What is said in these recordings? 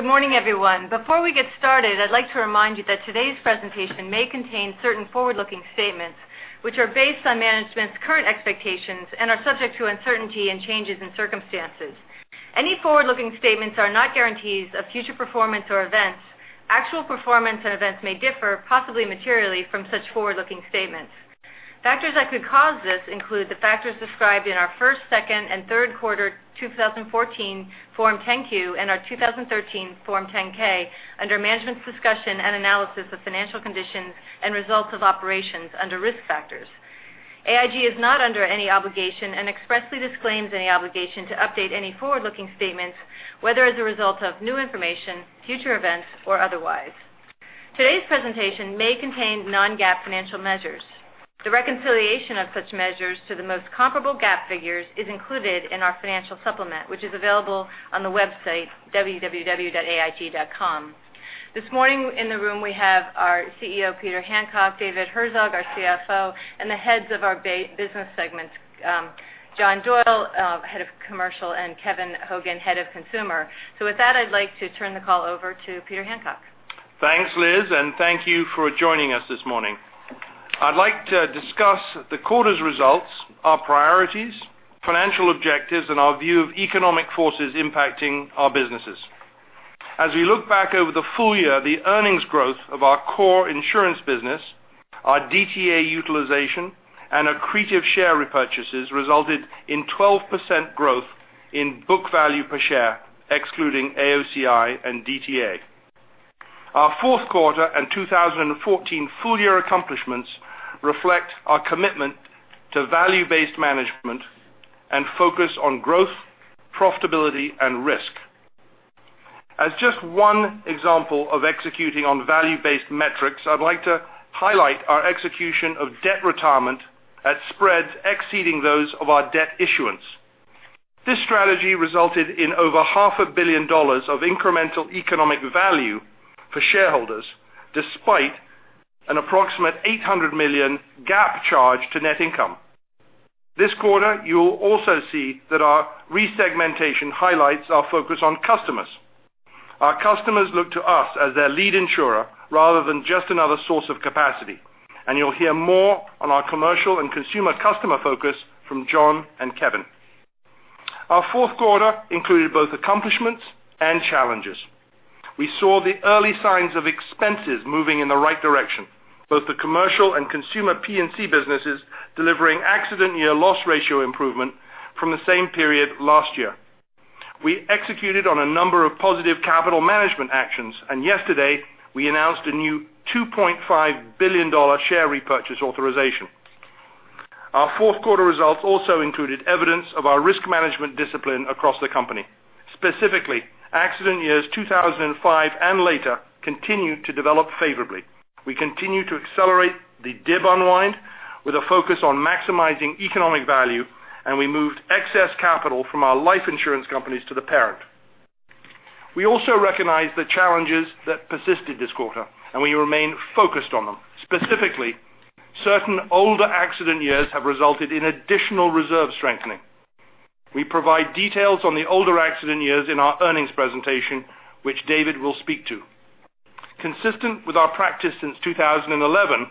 Good morning, everyone. Before we get started, I'd like to remind you that today's presentation may contain certain forward-looking statements, which are based on management's current expectations and are subject to uncertainty and changes in circumstances. Any forward-looking statements are not guarantees of future performance or events. Actual performance and events may differ, possibly materially, from such forward-looking statements. Factors that could cause this include the factors described in our first, second, and third quarter 2014 Form 10-Q and our 2013 Form 10-K under Management's Discussion and Analysis of Financial Condition and Results of Operations under Risk Factors. AIG is not under any obligation and expressly disclaims any obligation to update any forward-looking statements, whether as a result of new information, future events, or otherwise. Today's presentation may contain non-GAAP financial measures. The reconciliation of such measures to the most comparable GAAP figures is included in our financial supplement, which is available on the website www.aig.com. This morning in the room, we have our CEO, Peter Hancock; David Herzog, our CFO; and the heads of our business segments, John Doyle, head of Commercial, and Kevin Hogan, head of Consumer. With that, I'd like to turn the call over to Peter Hancock. Thanks, Liz, and thank you for joining us this morning. I'd like to discuss the quarter's results, our priorities, financial objectives, and our view of economic forces impacting our businesses. As we look back over the full year, the earnings growth of our core insurance business, our DTA utilization, and accretive share repurchases resulted in 12% growth in book value per share, excluding AOCI and DTA. Our fourth quarter and 2014 full-year accomplishments reflect our commitment to value-based management and focus on growth, profitability, and risk. As just one example of executing on value-based metrics, I'd like to highlight our execution of debt retirement at spreads exceeding those of our debt issuance. This strategy resulted in over half a billion dollars of incremental economic value for shareholders, despite an approximate $800 million GAAP charge to net income. This quarter, you'll also see that our resegmentation highlights our focus on customers. Our customers look to us as their lead insurer rather than just another source of capacity, and you'll hear more on our Commercial and Consumer customer focus from John and Kevin. Our fourth quarter included both accomplishments and challenges. We saw the early signs of expenses moving in the right direction, both the Commercial and Consumer P&C businesses delivering accident year loss ratio improvement from the same period last year. We executed on a number of positive capital management actions, and yesterday we announced a new $2.5 billion share repurchase authorization. Our fourth quarter results also included evidence of our risk management discipline across the company. Specifically, accident years 2005 and later continue to develop favorably. We continue to accelerate the DIB unwind with a focus on maximizing economic value, and we moved excess capital from our life insurance companies to the parent. We also recognize the challenges that persisted this quarter, and we remain focused on them. Specifically, certain older accident years have resulted in additional reserve strengthening. We provide details on the older accident years in our earnings presentation, which David will speak to. Consistent with our practice since 2011,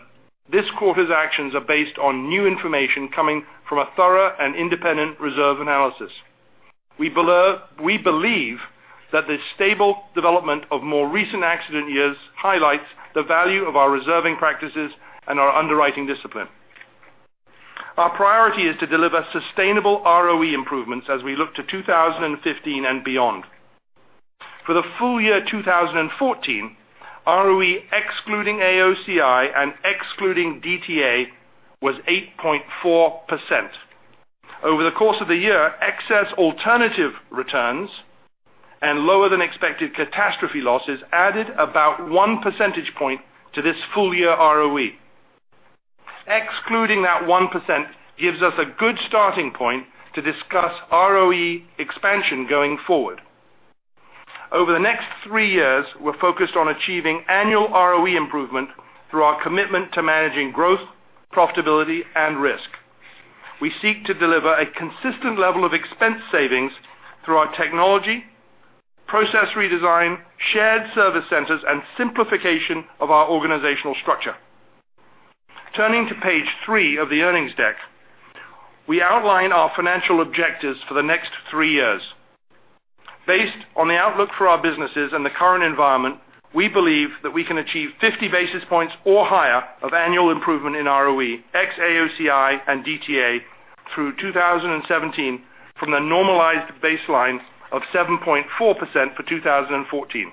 this quarter's actions are based on new information coming from a thorough and independent reserve analysis. We believe that the stable development of more recent accident years highlights the value of our reserving practices and our underwriting discipline. Our priority is to deliver sustainable ROE improvements as we look to 2015 and beyond. For the full year 2014, ROE excluding AOCI and excluding DTA was 8.4%. Over the course of the year, excess alternative returns and lower than expected catastrophe losses added about one percentage point to this full year ROE. Excluding that 1% gives us a good starting point to discuss ROE expansion going forward. Over the next three years, we're focused on achieving annual ROE improvement through our commitment to managing growth, profitability, and risk. We seek to deliver a consistent level of expense savings through our technology, process redesign, shared service centers, and simplification of our organizational structure. Turning to page three of the earnings deck, we outline our financial objectives for the next three years. Based on the outlook for our businesses and the current environment, we believe that we can achieve 50 basis points or higher of annual improvement in ROE, ex AOCI and DTA through 2017 from the normalized baseline of 7.4% for 2014.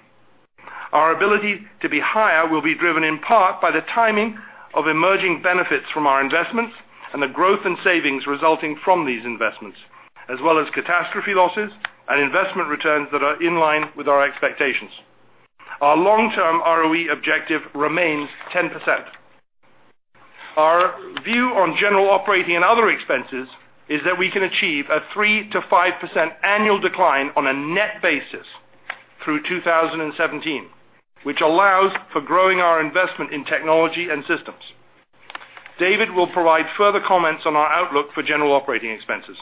Our ability to be higher will be driven in part by the timing of emerging benefits from our investments and the growth in savings resulting from these investments, as well as catastrophe losses and investment returns that are in line with our expectations. Our long-term ROE objective remains 10%. Our view on general operating and other expenses is that we can achieve a 3%-5% annual decline on a net basis through 2017, which allows for growing our investment in technology and systems. David will provide further comments on our outlook for general operating expenses.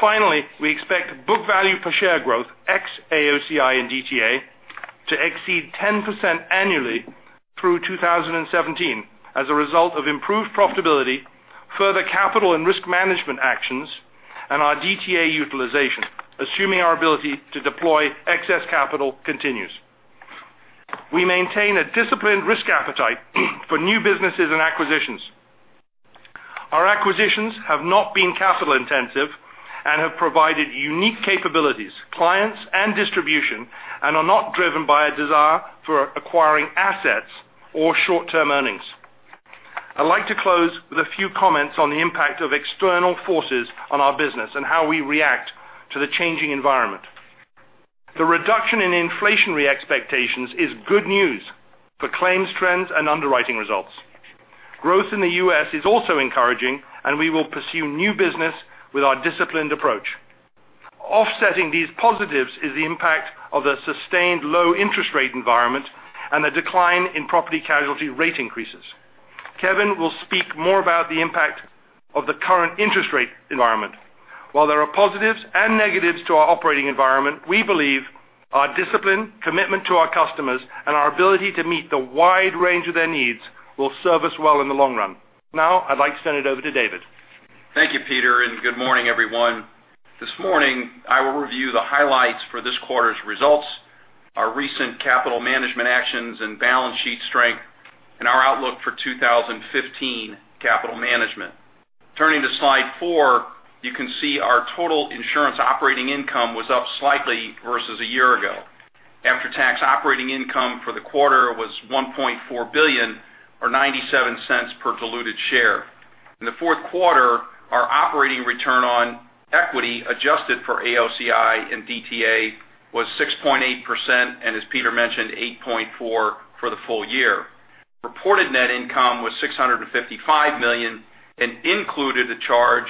Finally, we expect book value per share growth ex AOCI and DTA to exceed 10% annually through 2017 as a result of improved profitability, further capital and risk management actions, and our DTA utilization, assuming our ability to deploy excess capital continues. We maintain a disciplined risk appetite for new businesses and acquisitions. Our acquisitions have not been capital intensive and have provided unique capabilities, clients, and distribution, and are not driven by a desire for acquiring assets or short-term earnings. I'd like to close with a few comments on the impact of external forces on our business and how we react to the changing environment. The reduction in inflationary expectations is good news for claims trends and underwriting results. Growth in the U.S. is also encouraging, and we will pursue new business with our disciplined approach. Offsetting these positives is the impact of a sustained low interest rate environment and a decline in property casualty rate increases. Kevin will speak more about the impact of the current interest rate environment. While there are positives and negatives to our operating environment, we believe our discipline, commitment to our customers, and our ability to meet the wide range of their needs will serve us well in the long run. I'd like to send it over to David. Thank you, Peter, and good morning, everyone. This morning, I will review the highlights for this quarter's results, our recent capital management actions and balance sheet strength, and our outlook for 2015 capital management. Turning to slide four, you can see our total insurance operating income was up slightly versus a year ago. After-tax operating income for the quarter was $1.4 billion or $0.97 per diluted share. In the fourth quarter, our operating return on equity, adjusted for AOCI and DTA, was 6.8%, and as Peter mentioned, 8.4% for the full year. Reported net income was $655 million and included a charge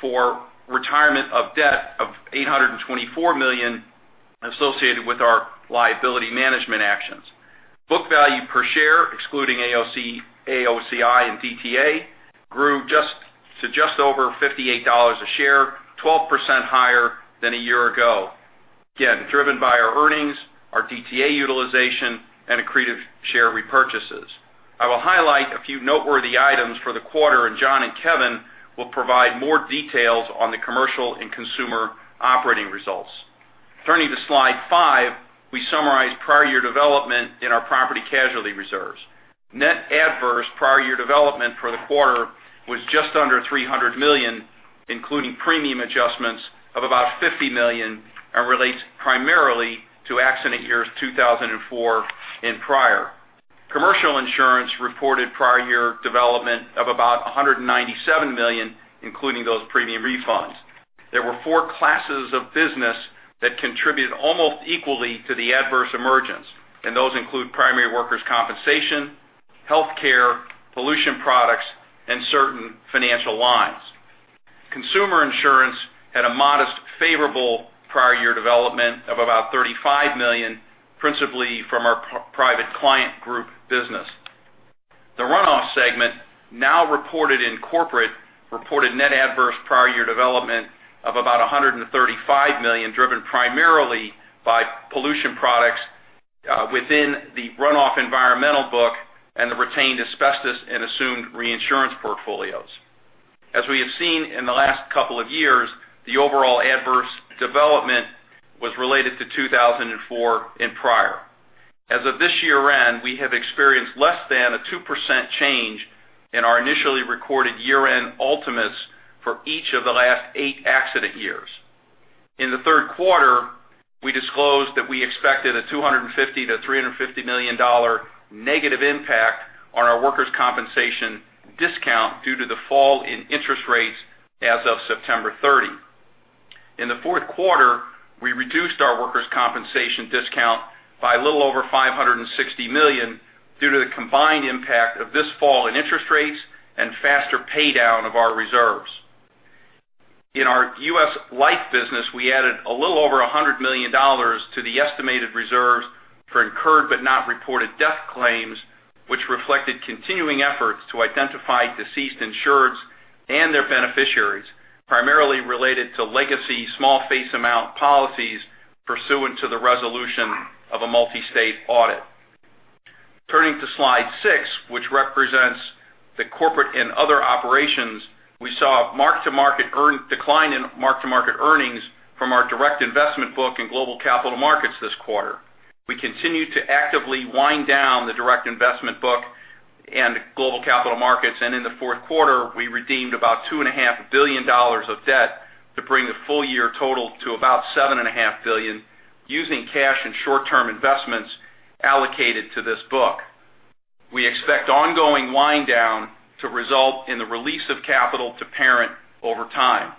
for retirement of debt of $824 million associated with our liability management actions. Book value per share, excluding AOCI and DTA, grew to just over $58 a share, 12% higher than a year ago. Driven by our earnings, our DTA utilization, and accretive share repurchases. I will highlight a few noteworthy items for the quarter, John and Kevin will provide more details on the Commercial and Consumer operating results. Turning to slide five, we summarize prior year development in our Property Casualty reserves. Net adverse prior year development for the quarter was just under $300 million, including premium adjustments of about $50 million, and relates primarily to accident years 2004 and prior. Commercial Insurance reported prior year development of about $197 million, including those premium refunds. There were 4 classes of business that contributed almost equally to the adverse emergence, and those include primary workers' compensation, healthcare, pollution products, and certain financial lines. Consumer Insurance had a modest, favorable prior year development of about $35 million, principally from our Private Client Group business. The runoff segment, now reported in Corporate, reported net adverse prior year development of about $135 million, driven primarily by pollution products within the runoff environmental book and the retained asbestos and assumed reinsurance portfolios. As we have seen in the last couple of years, the overall adverse development was related to 2004 and prior. As of this year-end, we have experienced less than a 2% change in our initially recorded year-end ultimates for each of the last eight accident years. In the third quarter, we disclosed that we expected a $250 million-$350 million negative impact on our workers' compensation discount due to the fall in interest rates as of September 30. In the fourth quarter, we reduced our workers' compensation discount by a little over $560 million due to the combined impact of this fall in interest rates and faster paydown of our reserves. In our U.S. Life business, we added a little over $100 million to the estimated reserves for incurred but not reported death claims, which reflected continuing efforts to identify deceased insureds and their beneficiaries, primarily related to legacy small face amount policies pursuant to the resolution of a multi-state audit. Turning to slide six, which represents the Corporate and Other operations, we saw a decline in mark-to-market earnings from our Direct Investment Book in Global Capital Markets this quarter. We continue to actively wind down the Direct Investment Book and Global Capital Markets, and in the fourth quarter, we redeemed about $2.5 billion of debt to bring the full year total to about $7.5 billion using cash and short-term investments allocated to this book. We expect ongoing wind down to result in the release of capital to parent over time.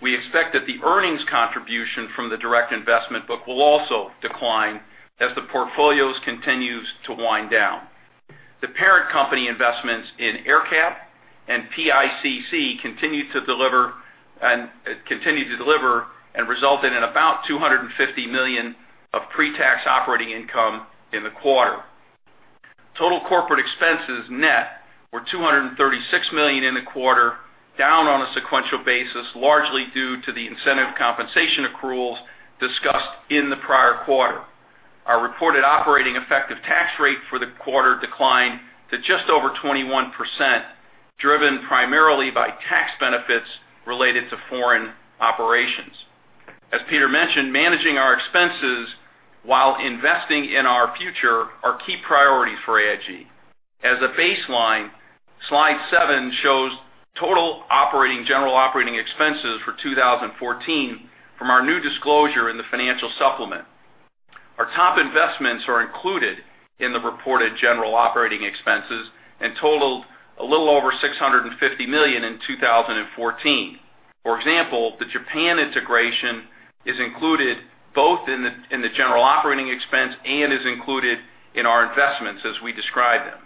We expect that the earnings contribution from the Direct Investment Book will also decline as the portfolios continues to wind down. The parent company investments in AerCap and PICC continued to deliver and resulted in about $250 million of pre-tax operating income in the quarter. Total corporate expenses net were $236 million in the quarter, down on a sequential basis, largely due to the incentive compensation accruals discussed in the prior quarter. Our reported operating effective tax rate for the quarter declined to just over 21%, driven primarily by tax benefits related to foreign operations. As Peter mentioned, managing our expenses while investing in our future are key priorities for AIG. As a baseline, slide seven shows total general operating expenses for 2014 from our new disclosure in the financial supplement. Our top investments are included in the reported general operating expenses and totaled a little over $650 million in 2014. For example, the Japan integration is included both in the general operating expense and is included in our investments as we describe them.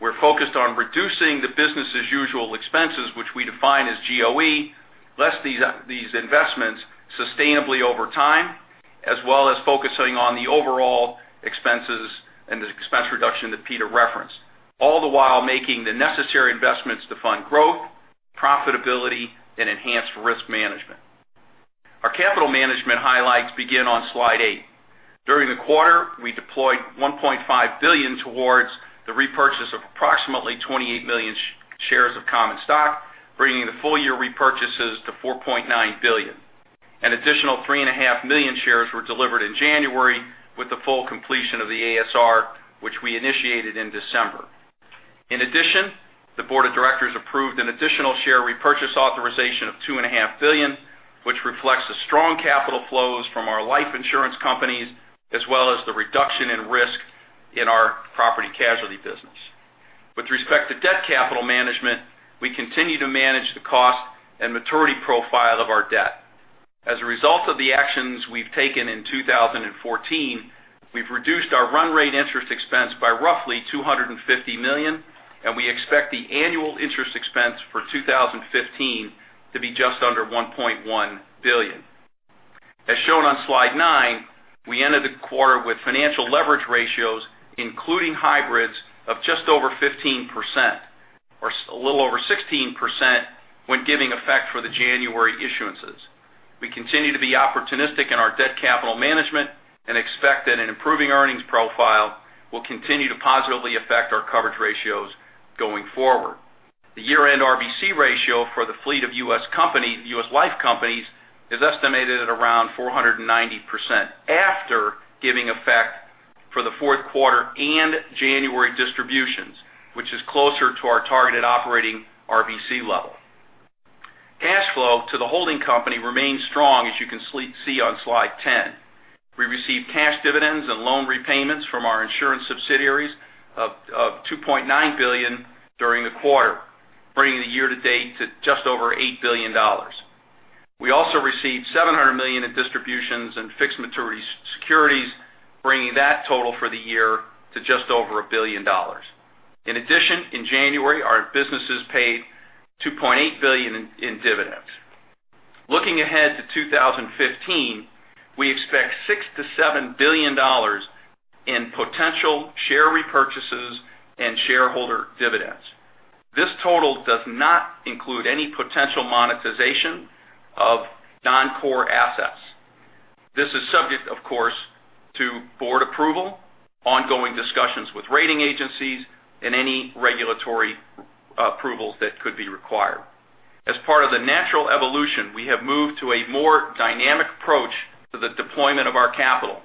We're focused on reducing the business-as-usual expenses, which we define as GOE, less these investments sustainably over time, as well as focusing on the overall expenses and the expense reduction that Peter referenced, all the while making the necessary investments to fund growth, profitability, and enhanced risk management. Our capital management highlights begin on slide eight. During the quarter, we deployed $1.5 billion towards the repurchase of approximately 28 million shares of common stock, bringing the full-year repurchases to $4.9 billion. An additional 3.5 million shares were delivered in January with the full completion of the ASR, which we initiated in December. In addition, the board of directors approved an additional share repurchase authorization of $2.5 billion, which reflects the strong capital flows from our life insurance companies, as well as the reduction in risk in our Property Casualty business. With respect to debt capital management, we continue to manage the cost and maturity profile of our debt. As a result of the actions we've taken in 2014, we've reduced our run rate interest expense by roughly $250 million, and we expect the annual interest expense for 2015 to be just under $1.1 billion. As shown on slide nine, we ended the quarter with financial leverage ratios, including hybrids of just over 15%, or a little over 16% when giving effect for the January issuances. We continue to be opportunistic in our debt capital management and expect that an improving earnings profile will continue to positively affect our coverage ratios going forward. The year-end RBC ratio for the fleet of U.S. life companies is estimated at around 490% after giving effect for the fourth quarter and January distributions, which is closer to our targeted operating RBC level. Cash flow to the holding company remains strong, as you can see on slide 10. We received cash dividends and loan repayments from our insurance subsidiaries of $2.9 billion during the quarter, bringing the year to date to just over $8 billion. We also received $700 million in distributions and fixed maturity securities, bringing that total for the year to just over $1 billion. In January, our businesses paid $2.8 billion in dividends. Looking ahead to 2015, we expect $6 billion-$7 billion in potential share repurchases and shareholder dividends. This total does not include any potential monetization of non-core assets. This is subject, of course, to board approval, ongoing discussions with rating agencies, and any regulatory approvals that could be required. As part of the natural evolution, we have moved to a more dynamic approach to the deployment of our capital,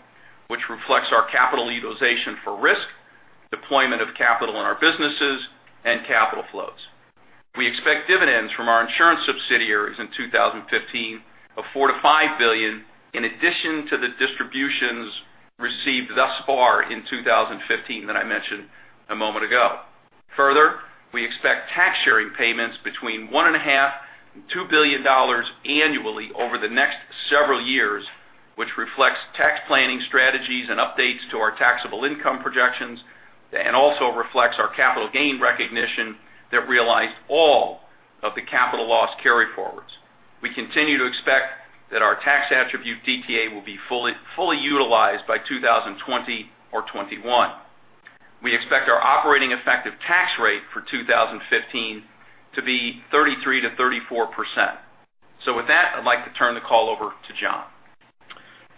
which reflects our capital utilization for risk, deployment of capital in our businesses, and capital flows. We expect dividends from our insurance subsidiaries in 2015 of $4 billion-$5 billion, in addition to the distributions received thus far in 2015 that I mentioned a moment ago. We expect tax sharing payments between $1.5 billion and $2 billion annually over the next several years, which reflects tax planning strategies and updates to our taxable income projections and also reflects our capital gain recognition that realized all of the capital loss carryforwards. We continue to expect that our tax attribute DTA will be fully utilized by 2020 or 2021. We expect our operating effective tax rate for 2015 to be 33%-34%. With that, I'd like to turn the call over to John.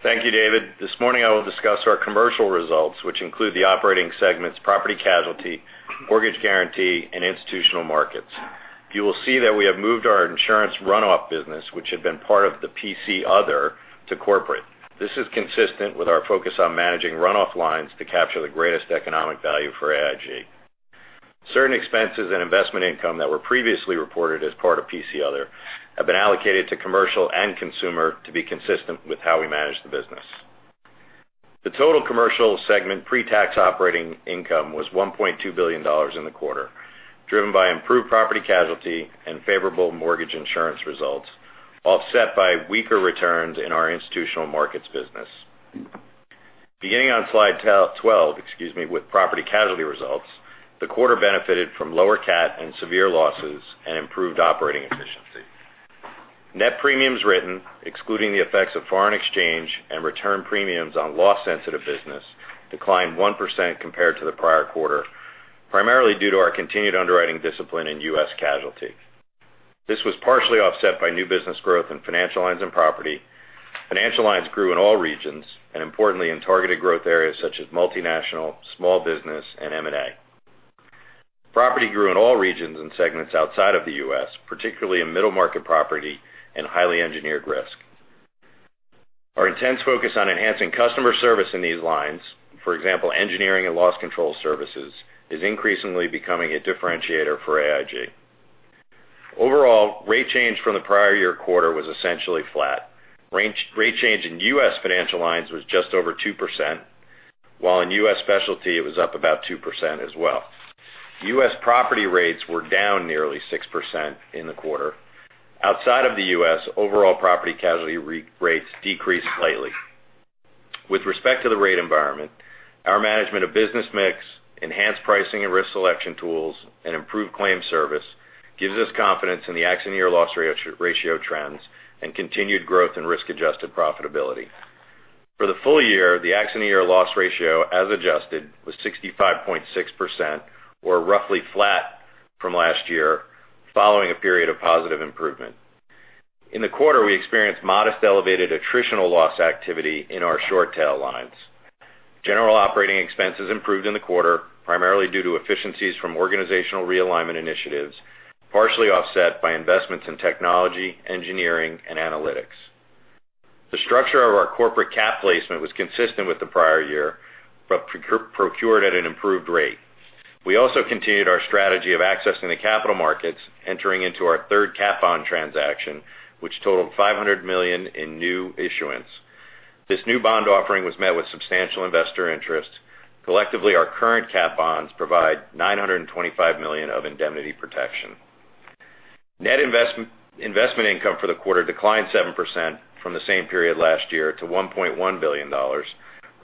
Thank you, David. This morning, I will discuss our Commercial results, which include the operating segments Property Casualty, Mortgage Guaranty, and Institutional Markets. You will see that we have moved our insurance run-off business, which had been part of the PC Other, to Corporate. This is consistent with our focus on managing run-off lines to capture the greatest economic value for AIG. Certain expenses and investment income that were previously reported as part of PC Other have been allocated to Commercial and Consumer to be consistent with how we manage the business. The total Commercial segment pre-tax operating income was $1.2 billion in the quarter, driven by improved Property Casualty and favorable Mortgage Guaranty results, offset by weaker returns in our Institutional Markets business. Beginning on slide 12, with Property Casualty results, the quarter benefited from lower cat and severe losses and improved operating efficiency. Net premiums written, excluding the effects of foreign exchange and return premiums on loss-sensitive business, declined 1% compared to the prior quarter, primarily due to our continued underwriting discipline in U.S. casualty. This was partially offset by new business growth in financial lines and property. Financial lines grew in all regions, and importantly in targeted growth areas such as multinational, small business, and M&A. Property grew in all regions and segments outside of the U.S., particularly in middle-market property and highly engineered risk. Our intense focus on enhancing customer service in these lines, for example, engineering and loss control services, is increasingly becoming a differentiator for AIG. Overall, rate change from the prior year quarter was essentially flat. Rate change in U.S. financial lines was just over 2%, while in U.S. specialty, it was up about 2% as well. U.S. property rates were down nearly 6% in the quarter. Outside of the U.S., overall property casualty rates decreased slightly. With respect to the rate environment, our management of business mix, enhanced pricing and risk selection tools, and improved claim service gives us confidence in the accident year loss ratio trends and continued growth in risk-adjusted profitability. For the full year, the accident year loss ratio, as adjusted, was 65.6%, or roughly flat from last year, following a period of positive improvement. In the quarter, we experienced modest elevated attritional loss activity in our short tail lines. General operating expenses improved in the quarter, primarily due to efficiencies from organizational realignment initiatives, partially offset by investments in technology, engineering, and analytics. The structure of our corporate cat placement was consistent with the prior year, but procured at an improved rate. We also continued our strategy of accessing the capital markets, entering into our third catastrophe bond transaction, which totaled $500 million in new issuance. This new bond offering was met with substantial investor interest. Collectively, our current cat bonds provide $925 million of indemnity protection. Net investment income for the quarter declined 7% from the same period last year to $1.1 billion,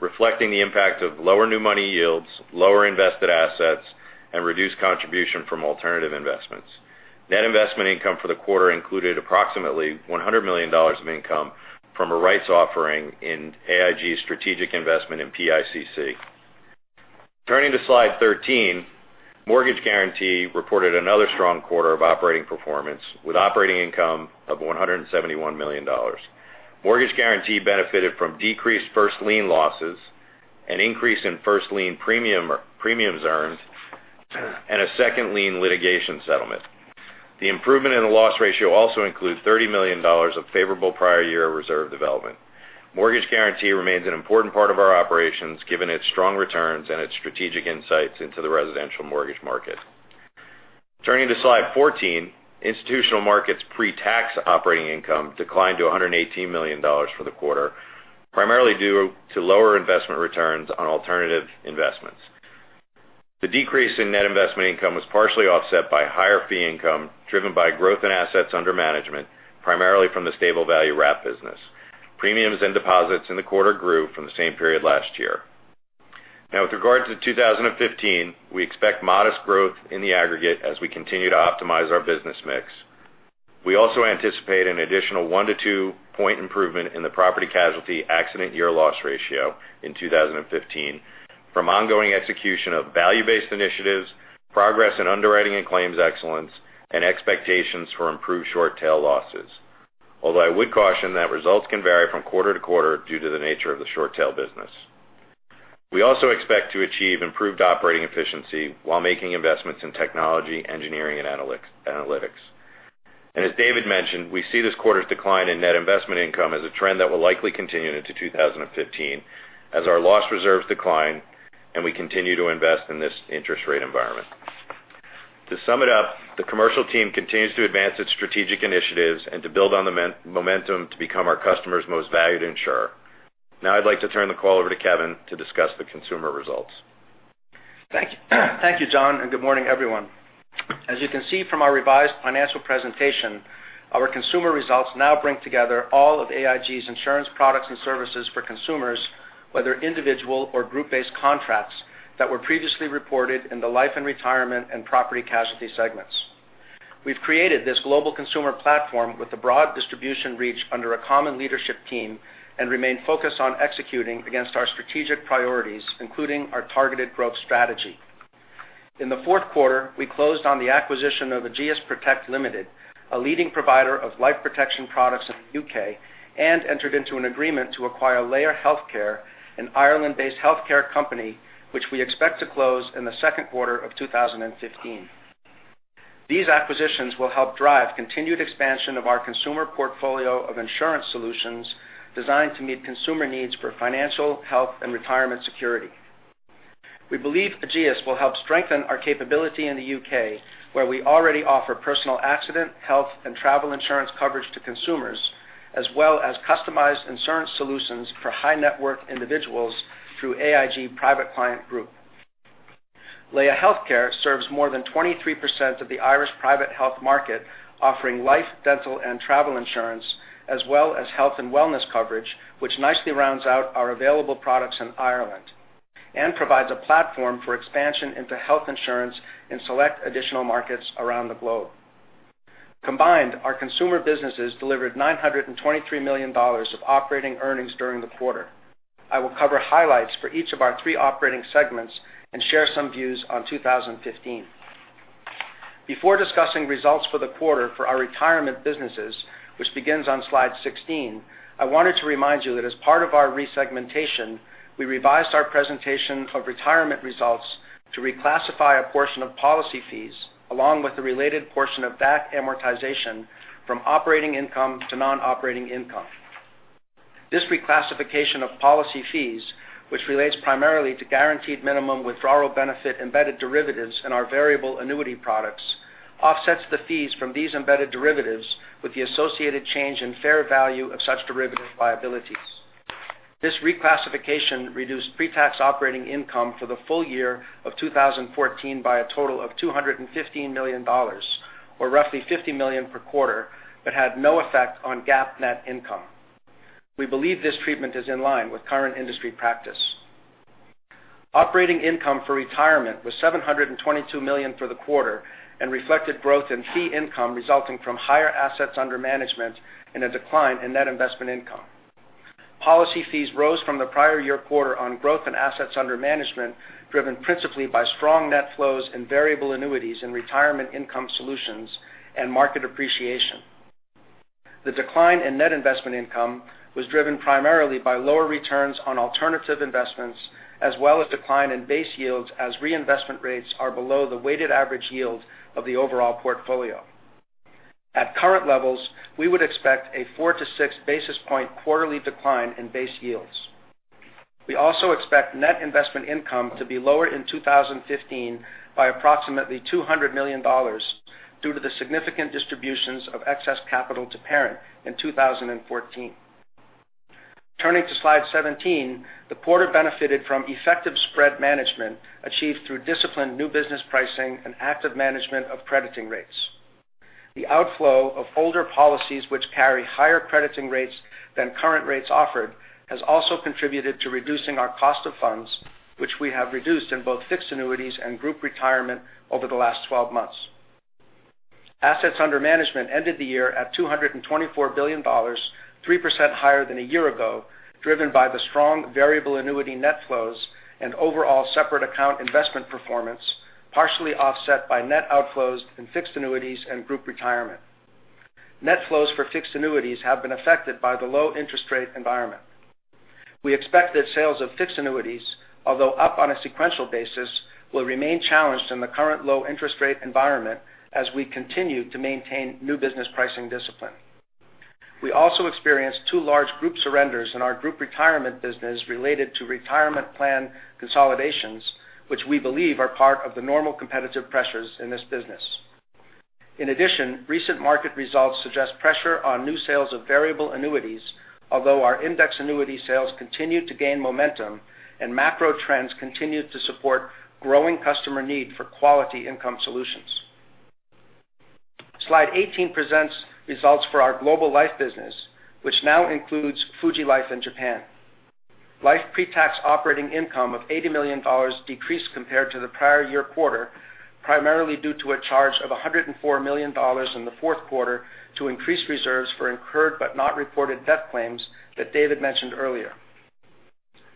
reflecting the impact of lower new money yields, lower invested assets, and reduced contribution from alternative investments. Net investment income for the quarter included approximately $100 million of income from a rights offering in AIG's strategic investment in PICC. Turning to slide 13, Mortgage Guaranty reported another strong quarter of operating performance with operating income of $171 million. Mortgage Guaranty benefited from decreased first lien losses, an increase in first lien premiums earned, and a second lien litigation settlement. The improvement in the loss ratio also includes $30 million of favorable prior year reserve development. Mortgage Guaranty remains an important part of our operations, given its strong returns and its strategic insights into the residential mortgage market. Turning to slide 14, Institutional Markets' pre-tax operating income declined to $118 million for the quarter, primarily due to lower investment returns on alternative investments. The decrease in net investment income was partially offset by higher fee income driven by growth in assets under management, primarily from the stable value wrap business. Premiums and deposits in the quarter grew from the same period last year. With regard to 2015, we expect modest growth in the aggregate as we continue to optimize our business mix. We also anticipate an additional one to two point improvement in the Property Casualty accident year loss ratio in 2015 from ongoing execution of value-based initiatives, progress in underwriting and claims excellence, and expectations for improved short tail losses. Although I would caution that results can vary from quarter to quarter due to the nature of the short tail business. We also expect to achieve improved operating efficiency while making investments in technology, engineering, and analytics. As David mentioned, we see this quarter's decline in net investment income as a trend that will likely continue into 2015 as our loss reserves decline and we continue to invest in this interest rate environment. To sum it up, the Commercial team continues to advance its strategic initiatives and to build on the momentum to become our customers' most valued insurer. Now I'd like to turn the call over to Kevin to discuss the consumer results. Thank you, John, and good morning, everyone. As you can see from our revised financial presentation, our consumer results now bring together all of AIG's insurance products and services for consumers, whether individual or group-based contracts, that were previously reported in the Life and Retirement and Property Casualty segments. We've created this global consumer platform with a broad distribution reach under a common leadership team and remain focused on executing against our strategic priorities, including our targeted growth strategy. In the fourth quarter, we closed on the acquisition of Ageas Protect Limited, a leading provider of life protection products in the U.K., and entered into an agreement to acquire Laya Healthcare, an Ireland-based healthcare company, which we expect to close in the second quarter of 2015. These acquisitions will help drive continued expansion of our consumer portfolio of insurance solutions designed to meet consumer needs for financial, health, and retirement security. We believe Ageas will help strengthen our capability in the U.K., where we already offer personal accident, health, and travel insurance coverage to consumers, as well as customized insurance solutions for high-net-worth individuals through AIG Private Client Group. Laya Healthcare serves more than 23% of the Irish private health market, offering life, dental, and travel insurance, as well as health and wellness coverage, which nicely rounds out our available products in Ireland and provides a platform for expansion into health insurance in select additional markets around the globe. Combined, our consumer businesses delivered $923 million of operating earnings during the quarter. I will cover highlights for each of our three operating segments and share some views on 2015. Before discussing results for the quarter for our retirement businesses, which begins on slide 16, I wanted to remind you that as part of our resegmentation, we revised our presentation of retirement results to reclassify a portion of policy fees, along with the related portion of that amortization, from operating income to non-operating income. This reclassification of policy fees, which relates primarily to guaranteed minimum withdrawal benefit embedded derivatives in our variable annuity products, offsets the fees from these embedded derivatives with the associated change in fair value of such derivative liabilities. This reclassification reduced pre-tax operating income for the full year of 2014 by a total of $215 million, or roughly $50 million per quarter, but had no effect on GAAP net income. We believe this treatment is in line with current industry practice. Operating income for retirement was $722 million for the quarter and reflected growth in fee income resulting from higher assets under management and a decline in net investment income. Policy fees rose from the prior year quarter on growth in assets under management, driven principally by strong net flows in variable annuities and retirement income solutions, and market appreciation. The decline in net investment income was driven primarily by lower returns on alternative investments, as well as decline in base yields as reinvestment rates are below the weighted average yield of the overall portfolio. At current levels, we would expect a four to six basis point quarterly decline in base yields. We also expect net investment income to be lower in 2015 by approximately $200 million due to the significant distributions of excess capital to parent in 2014. Turning to slide 17, the quarter benefited from effective spread management achieved through disciplined new business pricing and active management of crediting rates. The outflow of older policies which carry higher crediting rates than current rates offered has also contributed to reducing our cost of funds, which we have reduced in both fixed annuities and group retirement over the last 12 months. Assets under management ended the year at $224 billion, 3% higher than a year ago, driven by the strong variable annuity net flows and overall separate account investment performance, partially offset by net outflows in fixed annuities and group retirement. Net flows for fixed annuities have been affected by the low interest rate environment. We expect that sales of fixed annuities, although up on a sequential basis, will remain challenged in the current low interest rate environment as we continue to maintain new business pricing discipline. We also experienced two large group surrenders in our group retirement business related to retirement plan consolidations, which we believe are part of the normal competitive pressures in this business. In addition, recent market results suggest pressure on new sales of variable annuities, although our index annuity sales continued to gain momentum and macro trends continued to support growing customer need for quality income solutions. Slide 18 presents results for our global life business, which now includes Fuji Life in Japan. Life pre-tax operating income of $80 million decreased compared to the prior year quarter, primarily due to a charge of $104 million in the fourth quarter to increase reserves for incurred but not reported death claims that David mentioned earlier.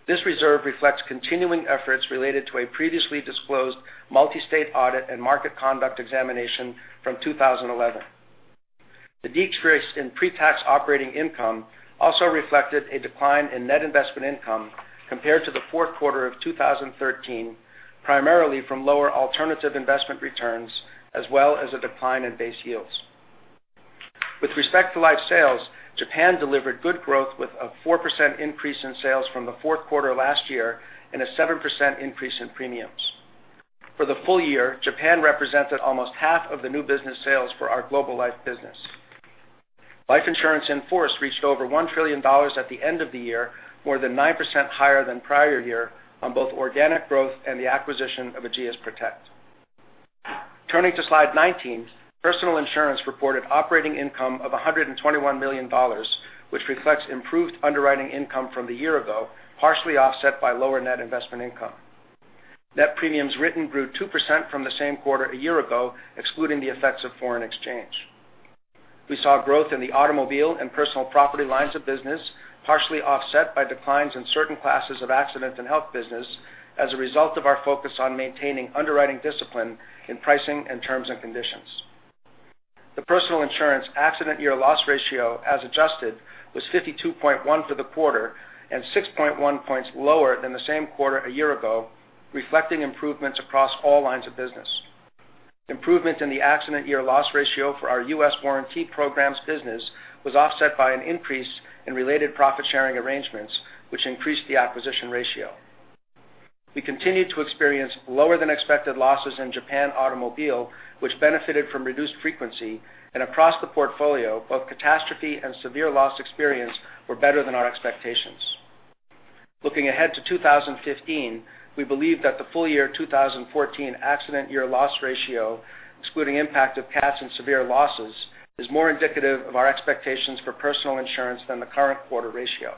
This reserve reflects continuing efforts related to a previously disclosed multi-state audit and market conduct examination from 2011. The decrease in pre-tax operating income also reflected a decline in net investment income compared to the fourth quarter of 2013, primarily from lower alternative investment returns, as well as a decline in base yields. With respect to life sales, Japan delivered good growth with a 4% increase in sales from the fourth quarter last year and a 7% increase in premiums. For the full year, Japan represented almost half of the new business sales for our global life business. Life insurance in force reached over $1 trillion at the end of the year, more than 9% higher than prior year on both organic growth and the acquisition of Ageas Protect. Turning to slide 19, personal insurance reported operating income of $121 million, which reflects improved underwriting income from the year ago, partially offset by lower net investment income. Net premiums written grew 2% from the same quarter a year ago, excluding the effects of foreign exchange. We saw growth in the automobile and personal property lines of business, partially offset by declines in certain classes of accident and health business as a result of our focus on maintaining underwriting discipline in pricing and terms and conditions. The personal insurance accident year loss ratio, as adjusted, was 52.1 for the quarter and 6.1 points lower than the same quarter a year ago, reflecting improvements across all lines of business. Improvement in the accident year loss ratio for our U.S. warranty programs business was offset by an increase in related profit-sharing arrangements, which increased the acquisition ratio. We continued to experience lower than expected losses in Japan automobile, which benefited from reduced frequency, and across the portfolio, both catastrophe and severe loss experience were better than our expectations. Looking ahead to 2015, we believe that the full year 2014 accident year loss ratio, excluding impact of CATs and severe losses, is more indicative of our expectations for personal insurance than the current quarter ratio.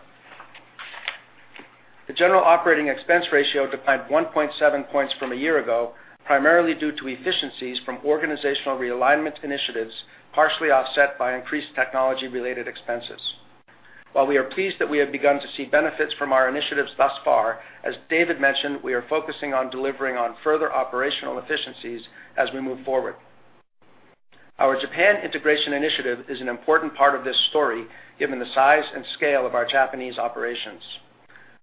The general operating expense ratio declined 1.7 points from a year ago, primarily due to efficiencies from organizational realignment initiatives, partially offset by increased technology-related expenses. While we are pleased that we have begun to see benefits from our initiatives thus far, as David mentioned, we are focusing on delivering on further operational efficiencies as we move forward. Our Japan integration initiative is an important part of this story, given the size and scale of our Japanese operations.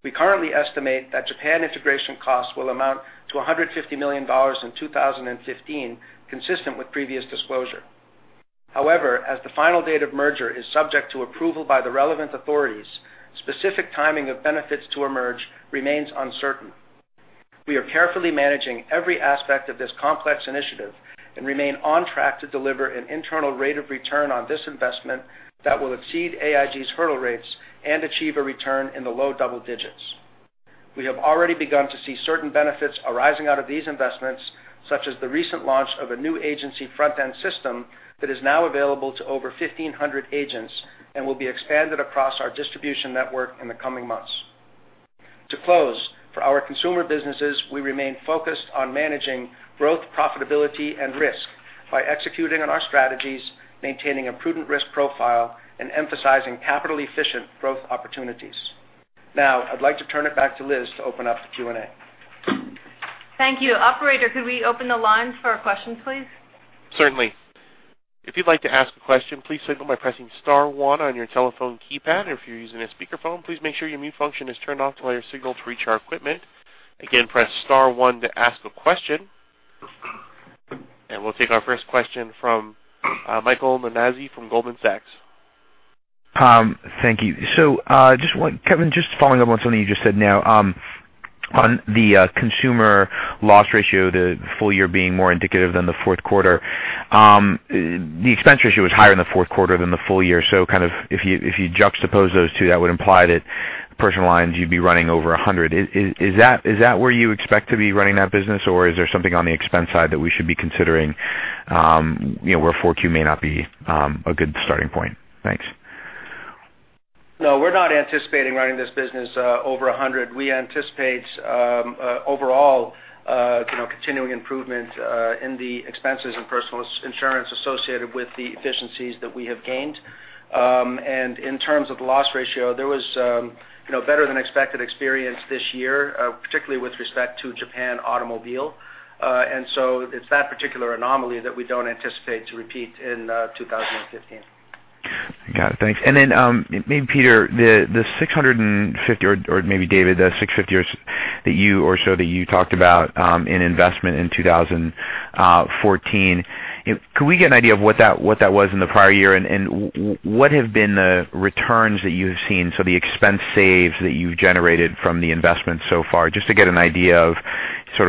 We currently estimate that Japan integration costs will amount to $150 million in 2015, consistent with previous disclosure. As the final date of merger is subject to approval by the relevant authorities, specific timing of benefits to emerge remains uncertain. We are carefully managing every aspect of this complex initiative and remain on track to deliver an internal rate of return on this investment that will exceed AIG's hurdle rates and achieve a return in the low double digits. We have already begun to see certain benefits arising out of these investments, such as the recent launch of a new agency front-end system that is now available to over 1,500 agents and will be expanded across our distribution network in the coming months. To close, for our consumer businesses, we remain focused on managing growth, profitability, and risk by executing on our strategies, maintaining a prudent risk profile, and emphasizing capital-efficient growth opportunities. Now, I'd like to turn it back to Liz to open up the Q&A. Thank you. Operator, could we open the lines for questions, please? Certainly. If you'd like to ask a question, please signal by pressing star one on your telephone keypad. If you're using a speakerphone, please make sure your mute function is turned off to allow your signal to reach our equipment. Again, press star one to ask a question. We'll take our first question from Michael Nannizzi from Goldman Sachs. Thank you. Kevin, just following up on something you just said now on the consumer loss ratio, the full year being more indicative than the fourth quarter. The expense ratio was higher in the fourth quarter than the full year. If you juxtapose those two, that would imply that personal lines, you'd be running over 100. Is that where you expect to be running that business? Or is there something on the expense side that we should be considering where 4Q may not be a good starting point? Thanks. No, we're not anticipating running this business over 100. We anticipate overall continuing improvement in the expenses in personal insurance associated with the efficiencies that we have gained. In terms of the loss ratio, there was better-than-expected experience this year, particularly with respect to Japan automobile. It's that particular anomaly that we don't anticipate to repeat in 2015. Got it. Thanks. Maybe Peter, the $650, or maybe David, the $650 or so that you talked about in investment in 2014, could we get an idea of what that was in the prior year? What have been the returns that you have seen, so the expense saves that you've generated from the investment so far, just to get an idea of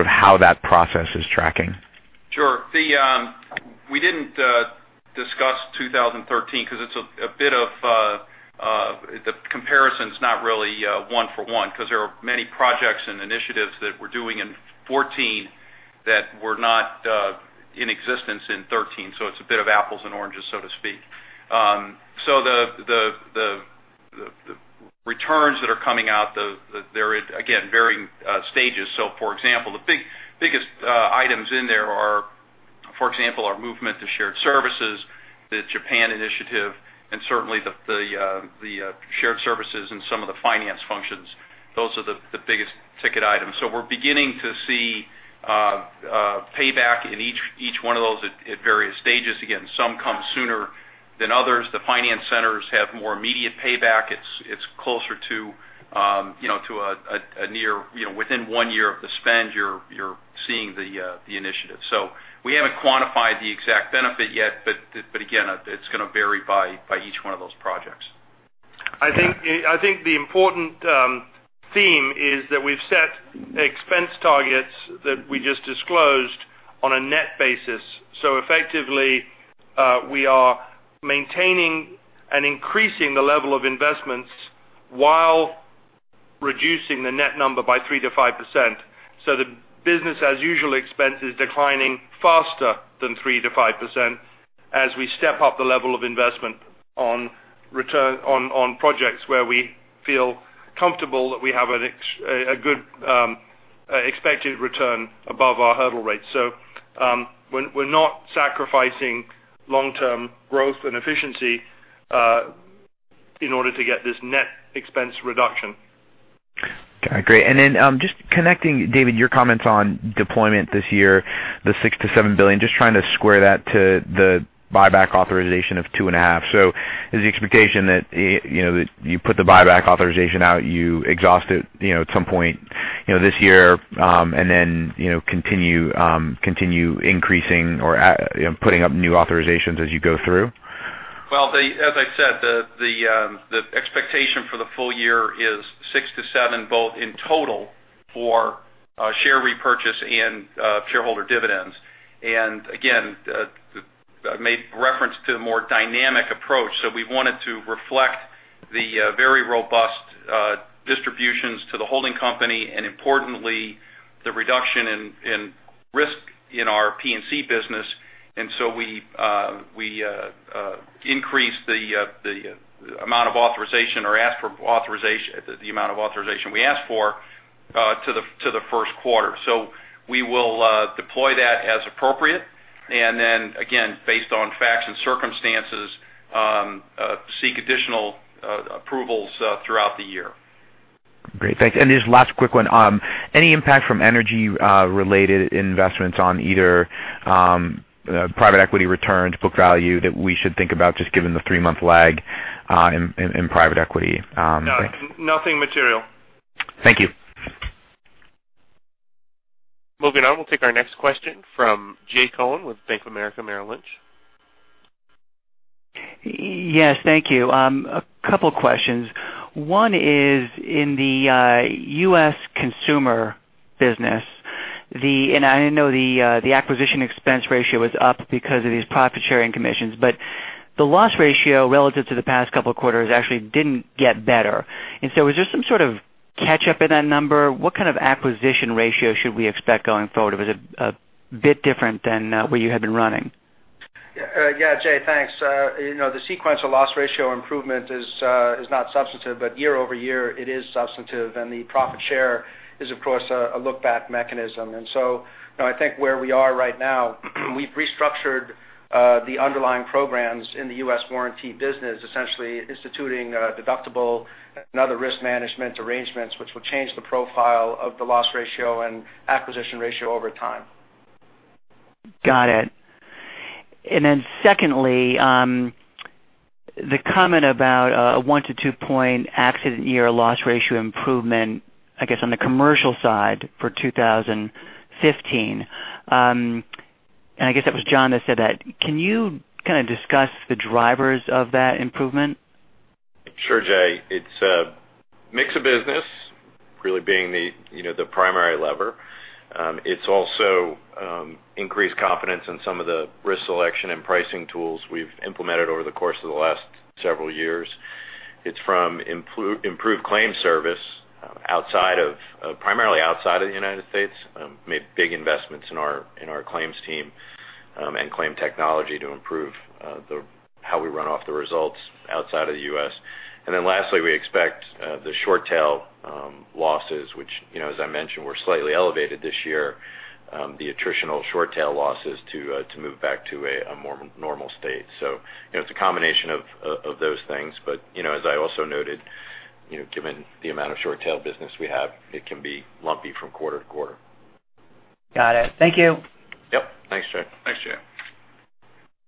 how that process is tracking? Sure. We didn't discuss 2013 because the comparison's not really one for one, because there are many projects and initiatives that we're doing in 2014 that were not in existence in 2013. It's a bit of apples and oranges, so to speak. The returns that are coming out, they're again, varying stages. For example, the biggest items in there are, for example, our movement to shared services, the Japan Initiative, and certainly the shared services and some of the finance functions. Those are the biggest ticket items. We're beginning to see payback in each one of those at various stages. Again, some come sooner than others. The finance centers have more immediate payback. It's closer to within one year of the spend, you're seeing the initiative. We haven't quantified the exact benefit yet. A`gain, it's going to vary by each one of those projects. I think the important theme is that we've set expense targets that we just disclosed on a net basis. Effectively, we are maintaining and increasing the level of investments while reducing the net number by 3%-5%. The business as usual expense is declining faster than 3%-5% as we step up the level of investment on projects where we feel comfortable that we have a good expected return above our hurdle rate. We're not sacrificing long-term growth and efficiency in order to get this net expense reduction. Okay, great. Just connecting, David, your comments on deployment this year, the $6 billion-$7 billion, just trying to square that to the buyback authorization of two and a half. Is the expectation that you put the buyback authorization out, you exhaust it at some point this year, and then continue increasing or putting up new authorizations as you go through? Well, as I said, the expectation for the full year is six to seven, both in total for share repurchase and shareholder dividends. Again, I made reference to a more dynamic approach. We wanted to reflect the very robust distributions to the holding company and importantly, the reduction in risk in our P&C business. We increased the amount of authorization we asked for to the first quarter. We will deploy that as appropriate, and then again, based on facts and circumstances, seek additional approvals throughout the year. Great. Thanks. Just last quick one. Any impact from energy-related investments on either private equity returns, book value, that we should think about just given the three-month lag in private equity? No. Nothing material. Thank you. Moving on, we'll take our next question from Jay Cohen with Bank of America Merrill Lynch. Yes, thank you. A couple questions. One is in the U.S. consumer business. I know the acquisition expense ratio is up because of these profit-sharing commissions, the loss ratio relative to the past couple of quarters actually didn't get better. Was there some sort of catch-up in that number? What kind of acquisition ratio should we expect going forward? It was a bit different than where you had been running. Yeah. Jay, thanks. The sequence of loss ratio improvement is not substantive, year-over-year it is substantive, the profit share is, of course, a look-back mechanism. I think where we are right now, we've restructured the underlying programs in the U.S. warranty business, essentially instituting a deductible and other risk management arrangements, which will change the profile of the loss ratio and acquisition ratio over time. Got it. Secondly, the comment about a 1-2 point accident year loss ratio improvement, I guess, on the commercial side for 2015. I guess that was John that said that. Can you kind of discuss the drivers of that improvement? Sure, Jay. It's a mix of business really being the primary lever. It's also increased confidence in some of the risk selection and pricing tools we've implemented over the course of the last several years. It's from improved claim service primarily outside of the U.S., made big investments in our claims team, and claim technology to improve how we run off the results outside of the U.S. Lastly, we expect the short tail losses, which as I mentioned, were slightly elevated this year, the attritional short tail losses to move back to a more normal state. It's a combination of those things. As I also noted, given the amount of short tail business we have, it can be lumpy from quarter to quarter. Got it. Thank you. Yep. Thanks, Jay. Thanks, Jay.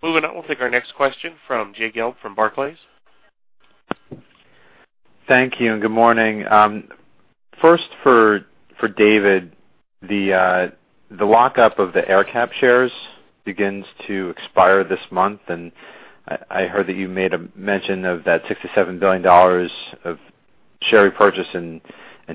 Moving on, we'll take our next question from Jay Gelb from Barclays. Thank you and good morning. First for David, the lockup of the AerCap shares begins to expire this month. I heard that you made a mention of that $6 billion to $7 billion of share repurchase and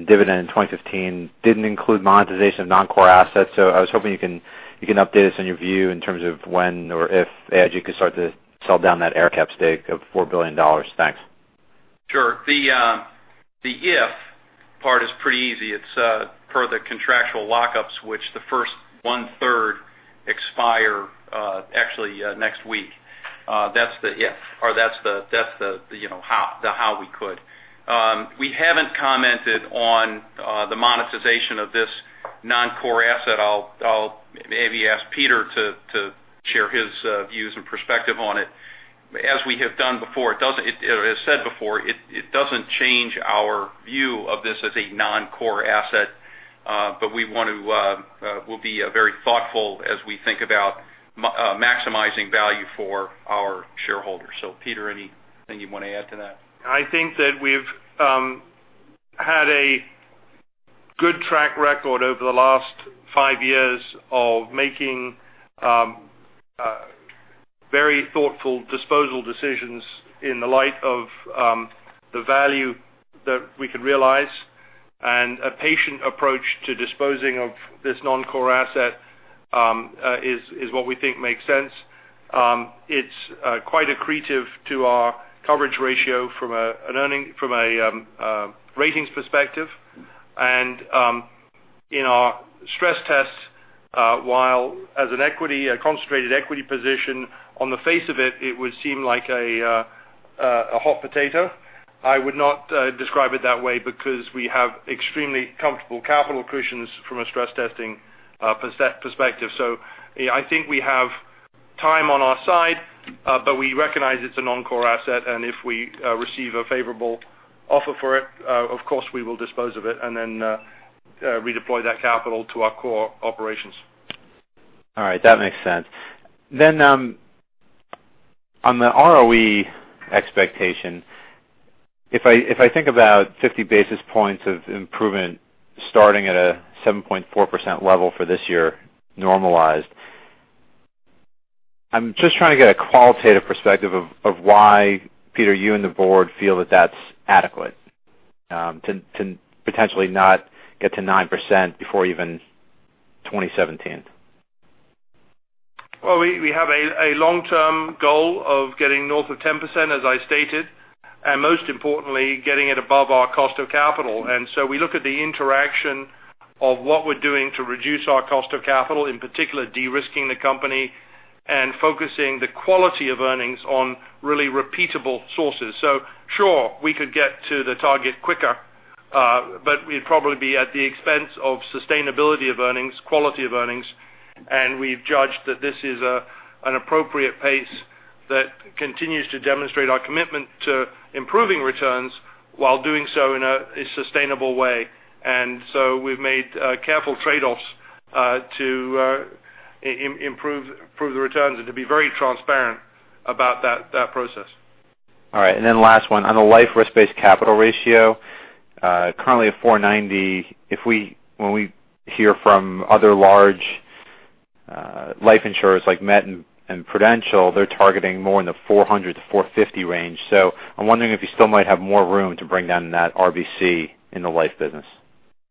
dividend in 2015 didn't include monetization of non-core assets. I was hoping you can update us on your view in terms of when or if AIG could start to sell down that AerCap stake of $4 billion. Thanks. Sure. The if part is pretty easy. It's per the contractual lockups, which the first one-third expire actually next week. That's the if or that's the how we could. We haven't commented on the monetization of this non-core asset. I'll maybe ask Peter to share his views and perspective on it. As we have said before, it doesn't change our view of this as a non-core asset. We'll be very thoughtful as we think about maximizing value for our shareholders. Peter, anything you want to add to that? I think that we've had a good track record over the last five years of making very thoughtful disposal decisions in the light of the value that we could realize, and a patient approach to disposing of this non-core asset is what we think makes sense. It's quite accretive to our coverage ratio from a ratings perspective and in our stress tests, while as an equity, a concentrated equity position on the face of it would seem like a hot potato. I would not describe it that way because we have extremely comfortable capital cushions from a stress testing perspective. I think we have time on our side, but we recognize it's a non-core asset, and if we receive a favorable offer for it, of course, we will dispose of it, and then redeploy that capital to our core operations. All right. That makes sense. On the ROE expectation, if I think about 50 basis points of improvement starting at a 7.4% level for this year normalized, I'm just trying to get a qualitative perspective of why, Peter, you and the board feel that that's adequate. To potentially not get to 9% before even 2017. Well, we have a long-term goal of getting north of 10%, as I stated, and most importantly, getting it above our cost of capital. We look at the interaction of what we're doing to reduce our cost of capital, in particular, de-risking the company and focusing the quality of earnings on really repeatable sources. Sure, we could get to the target quicker, but we'd probably be at the expense of sustainability of earnings, quality of earnings, and we've judged that this is an appropriate pace that continues to demonstrate our commitment to improving returns while doing so in a sustainable way. We've made careful trade-offs to improve the returns and to be very transparent about that process. All right, last one. On the life risk-based capital ratio, currently at 490. When we hear from other large life insurers like Met and Prudential, they're targeting more in the 400-450 range. I'm wondering if you still might have more room to bring down that RBC in the life business.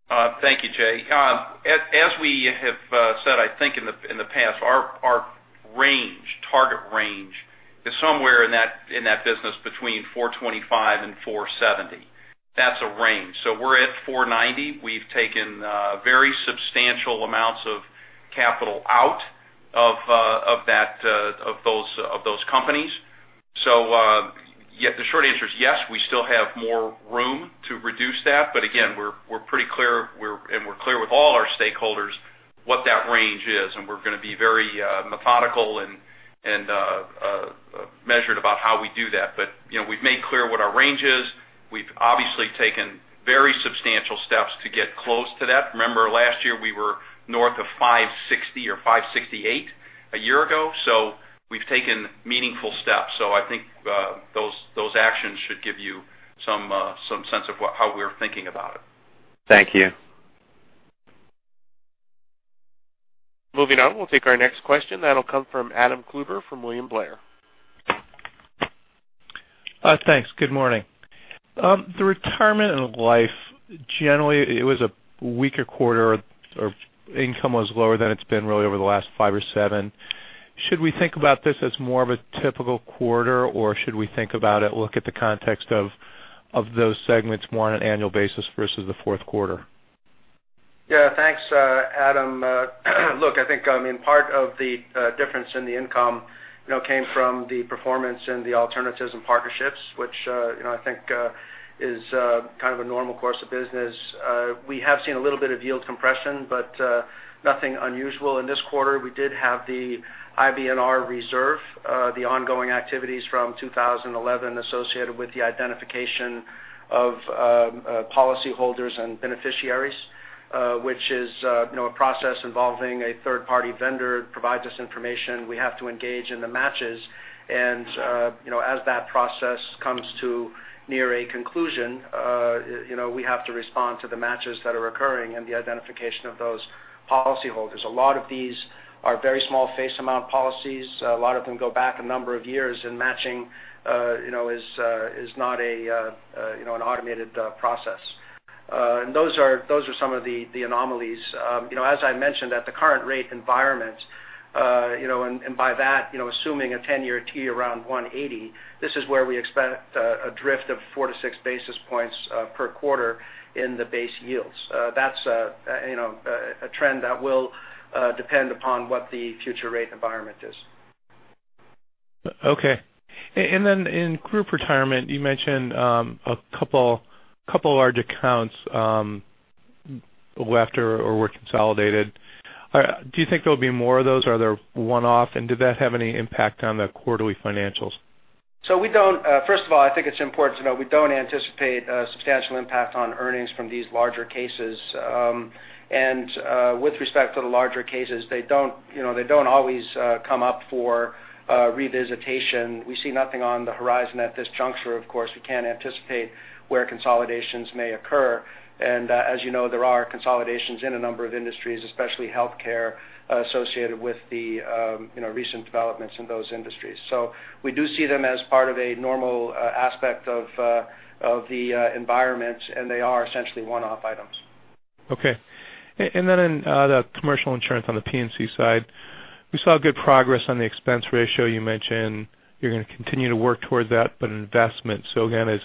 Thank you, Jay. As we have said, I think in the past, our target range is somewhere in that business between 425 and 470. That's a range. We're at 490. We've taken very substantial amounts of capital out of those companies. The short answer is yes, we still have more room to reduce that. Again, we're pretty clear, and we're clear with all our stakeholders what that range is, and we're going to be very methodical and measured about how we do that. We've made clear what our range is. We've obviously taken very substantial steps to get close to that. Remember, last year we were north of 560 or 568 a year ago, so we've taken meaningful steps. I think those actions should give you some sense of how we're thinking about it. Thank you. Moving on, we'll take our next question. That'll come from Adam Klauber from William Blair. Thanks. Good morning. The retirement and life, generally, it was a weaker quarter or income was lower than it's been really over the last five or seven. Should we think about this as more of a typical quarter, or should we think about it, look at the context of those segments more on an annual basis versus the fourth quarter? Yeah, thanks, Adam. Look, I think part of the difference in the income came from the performance in the alternatives and partnerships, which I think is kind of a normal course of business. We have seen a little bit of yield compression, but nothing unusual. In this quarter, we did have the IBNR reserve, the ongoing activities from 2011 associated with the identification of policyholders and beneficiaries which is a process involving a third-party vendor, provides us information. We have to engage in the matches and as that process comes to near a conclusion we have to respond to the matches that are occurring and the identification of those policyholders. A lot of these are very small face amount policies. A lot of them go back a number of years and matching is not an automated process. Those are some of the anomalies. As I mentioned at the current rate environment, by that assuming a 10-year Treasury around 180, this is where we expect a drift of four to six basis points per quarter in the base yields. That's a trend that will depend upon what the future rate environment is. Okay. Then in group retirement, you mentioned a couple of large accounts left or were consolidated. Do you think there'll be more of those? Are they one-off, and did that have any impact on the quarterly financials? First of all, I think it's important to know we don't anticipate a substantial impact on earnings from these larger cases. With respect to the larger cases, they don't always come up for revisitation. We see nothing on the horizon at this juncture. Of course, we can't anticipate where consolidations may occur. As you know, there are consolidations in a number of industries, especially healthcare, associated with the recent developments in those industries. We do see them as part of a normal aspect of the environment, and they are essentially one-off items. Okay. Then in the commercial insurance on the P&C side, we saw good progress on the expense ratio. You mentioned you're going to continue to work towards that, but an investment. Again, is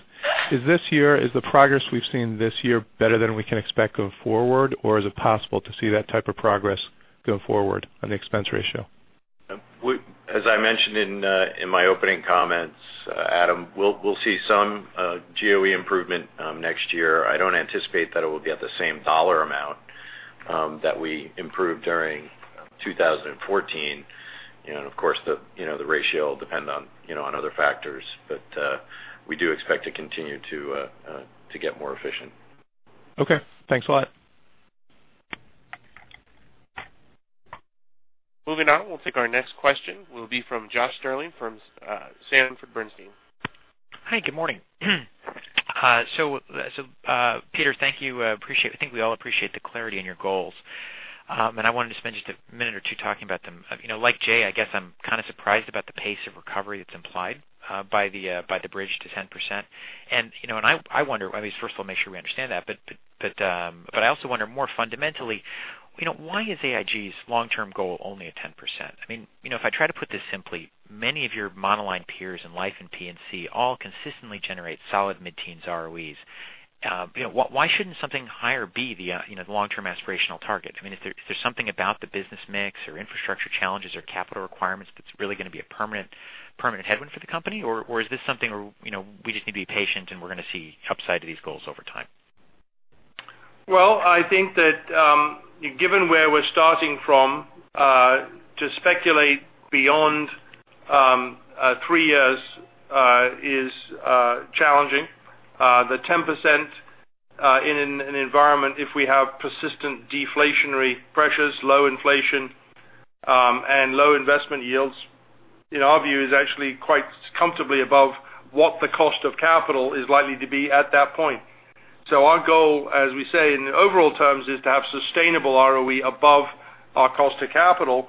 the progress we've seen this year better than we can expect going forward, or is it possible to see that type of progress go forward on the expense ratio? As I mentioned in my opening comments, Adam, we'll see some GOE improvement next year. I don't anticipate that it will be at the same dollar amount that we improved during 2014. Of course, the ratio will depend on other factors, but we do expect to continue to get more efficient. Okay. Thanks a lot. Moving on, we'll take our next question, will be from Josh Stirling from Sanford Bernstein. Hi, good morning. Peter, thank you. I think we all appreciate the clarity in your goals. I wanted to spend just a minute or two talking about them. Like Jay, I guess I'm kind of surprised about the pace of recovery that's implied by the bridge to 10%. I wonder, first of all, make sure we understand that, but I also wonder more fundamentally, why is AIG's long-term goal only at 10%? If I try to put this simply, many of your monoline peers in life and P&C all consistently generate solid mid-teens ROEs. Why shouldn't something higher be the long-term aspirational target? If there's something about the business mix or infrastructure challenges or capital requirements, that's really going to be a permanent headwind for the company, or is this something we just need to be patient and we're going to see upside to these goals over time? Well, I think that given where we're starting from, to speculate beyond three years is challenging. The 10% in an environment, if we have persistent deflationary pressures, low inflation, and low investment yields, in our view, is actually quite comfortably above what the cost of capital is likely to be at that point. Our goal, as we say in the overall terms, is to have sustainable ROE above our cost to capital,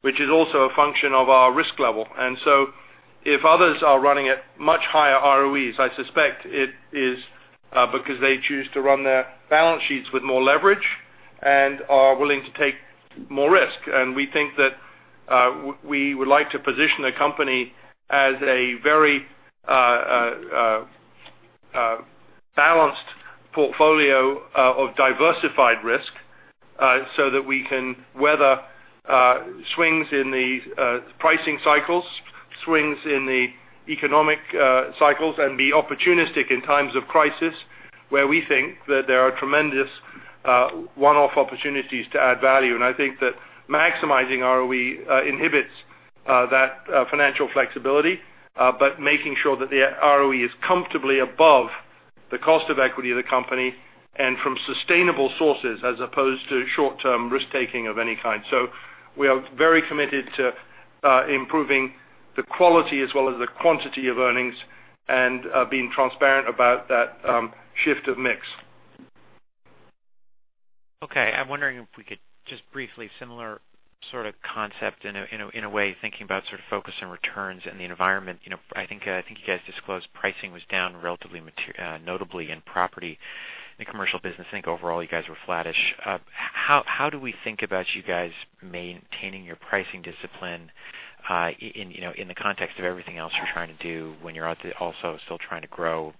which is also a function of our risk level. If others are running at much higher ROEs, I suspect it is because they choose to run their balance sheets with more leverage and are willing to take more risk. We think that we would like to position the company as a very balanced portfolio of diversified risk so that we can weather swings in the pricing cycles, swings in the economic cycles, and be opportunistic in times of crisis where we think that there are tremendous one-off opportunities to add value. I think that maximizing ROE inhibits that financial flexibility, but making sure that the ROE is comfortably above the cost of equity of the company and from sustainable sources as opposed to short-term risk-taking of any kind. We are very committed to improving the quality as well as the quantity of earnings and being transparent about that shift of mix. Okay, I'm wondering if we could just briefly, similar sort of concept in a way, thinking about sort of focus on returns and the environment. I think you guys disclosed pricing was down relatively notably in property and commercial business. I think overall you guys were flattish. How do we think about you guys maintaining your pricing discipline in the context of everything else you're trying to do when you're also still trying to grow?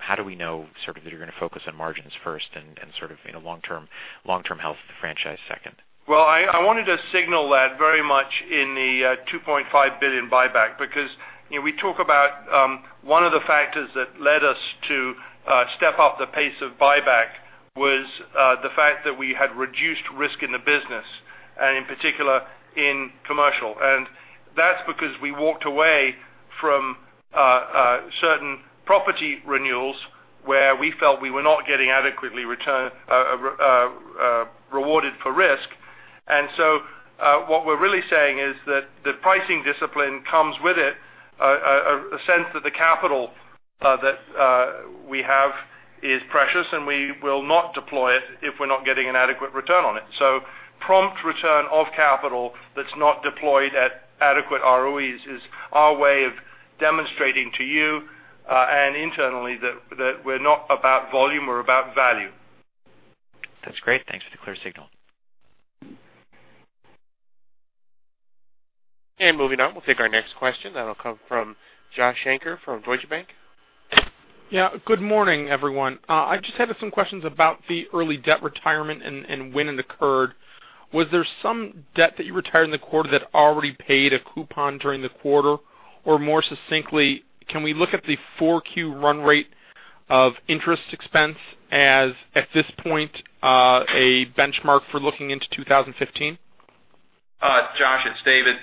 How do we know sort of that you're going to focus on margins first and sort of long-term health of the franchise second? Well, I wanted to signal that very much in the $2.5 billion buyback because we talk about one of the factors that led us to step up the pace of buyback was the fact that we had reduced risk in the business, and in particular in commercial. That's because we walked away from certain property renewals where we felt we were not getting adequately rewarded for risk. What we're really saying is that the pricing discipline comes with it a sense that the capital that we have is precious and we will not deploy it if we're not getting an adequate return on it. Prompt return of capital that's not deployed at adequate ROEs is our way of demonstrating to you and internally that we're not about volume, we're about value. That's great. Thanks for the clear signal. Moving on, we'll take our next question. That'll come from Joshua Shanker from Deutsche Bank. Yeah. Good morning, everyone. I just have some questions about the early debt retirement and when it occurred. Was there some debt that you retired in the quarter that already paid a coupon during the quarter? Or more succinctly, can we look at the 4Q run rate of interest expense as, at this point, a benchmark for looking into 2015? Josh, it's David.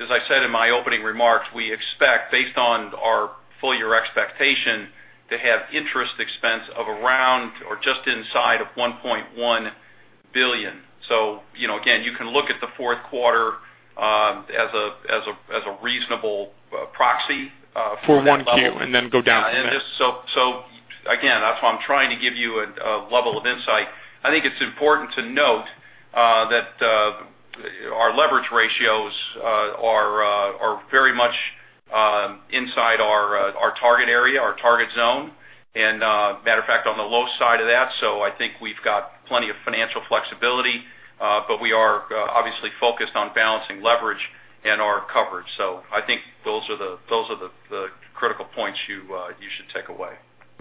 As I said in my opening remarks, we expect, based on our full year expectation, to have interest expense of around or just inside of $1.1 billion. Again, you can look at the fourth quarter as a reasonable proxy for that level. For 1Q and then go down from there. Again, that's why I'm trying to give you a level of insight. I think it's important to note that our leverage ratios are very much inside our target area, our target zone. Matter of fact, on the low side of that. I think we've got plenty of financial flexibility, but we are obviously focused on balancing leverage and our coverage. I think those are the critical points you should take away.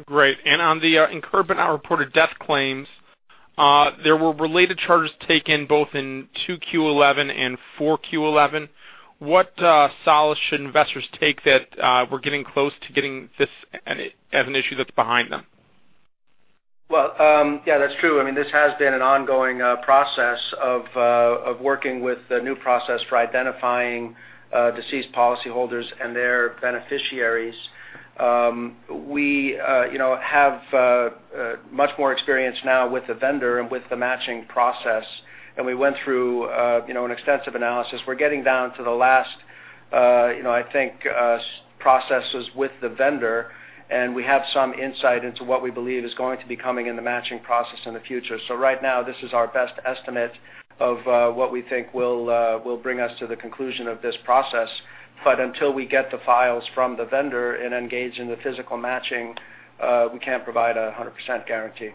Great. On the incurred but not reported death claims, there were related charges taken both in 2Q 2011 and 4Q 2011. What solace should investors take that we're getting close to getting this as an issue that's behind them? Yeah, that's true. This has been an ongoing process of working with a new process for identifying deceased policyholders and their beneficiaries. We have much more experience now with the vendor and with the matching process We went through an extensive analysis. We're getting down to the last, I think, processes with the vendor, and we have some insight into what we believe is going to be coming in the matching process in the future. Right now, this is our best estimate of what we think will bring us to the conclusion of this process. Until we get the files from the vendor and engage in the physical matching, we can't provide 100% guarantee.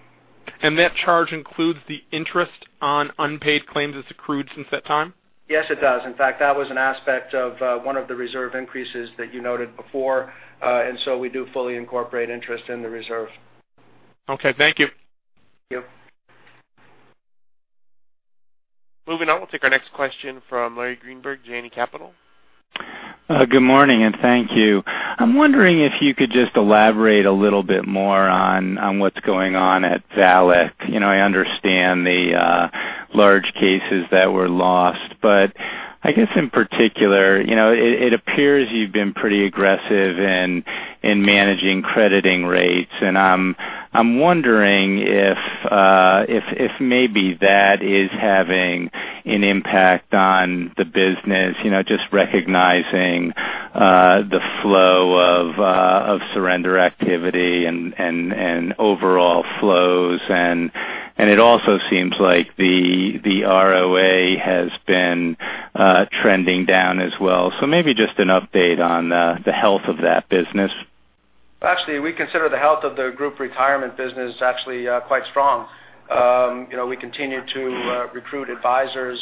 That charge includes the interest on unpaid claims it's accrued since that time? Yes, it does. In fact, that was an aspect of one of the reserve increases that you noted before. We do fully incorporate interest in the reserve. Okay, thank you. Yep. We'll take our next question from Larry Greenberg, Janney Capital. Good morning, and thank you. I'm wondering if you could just elaborate a little bit more on what's going on at VALIC. I understand the large cases that were lost, I guess in particular, it appears you've been pretty aggressive in managing crediting rates. I'm wondering if maybe that is having an impact on the business, just recognizing the flow of surrender activity and overall flows. It also seems like the ROA has been trending down as well. Maybe just an update on the health of that business. Actually, we consider the health of the group retirement business actually quite strong. We continue to recruit advisors.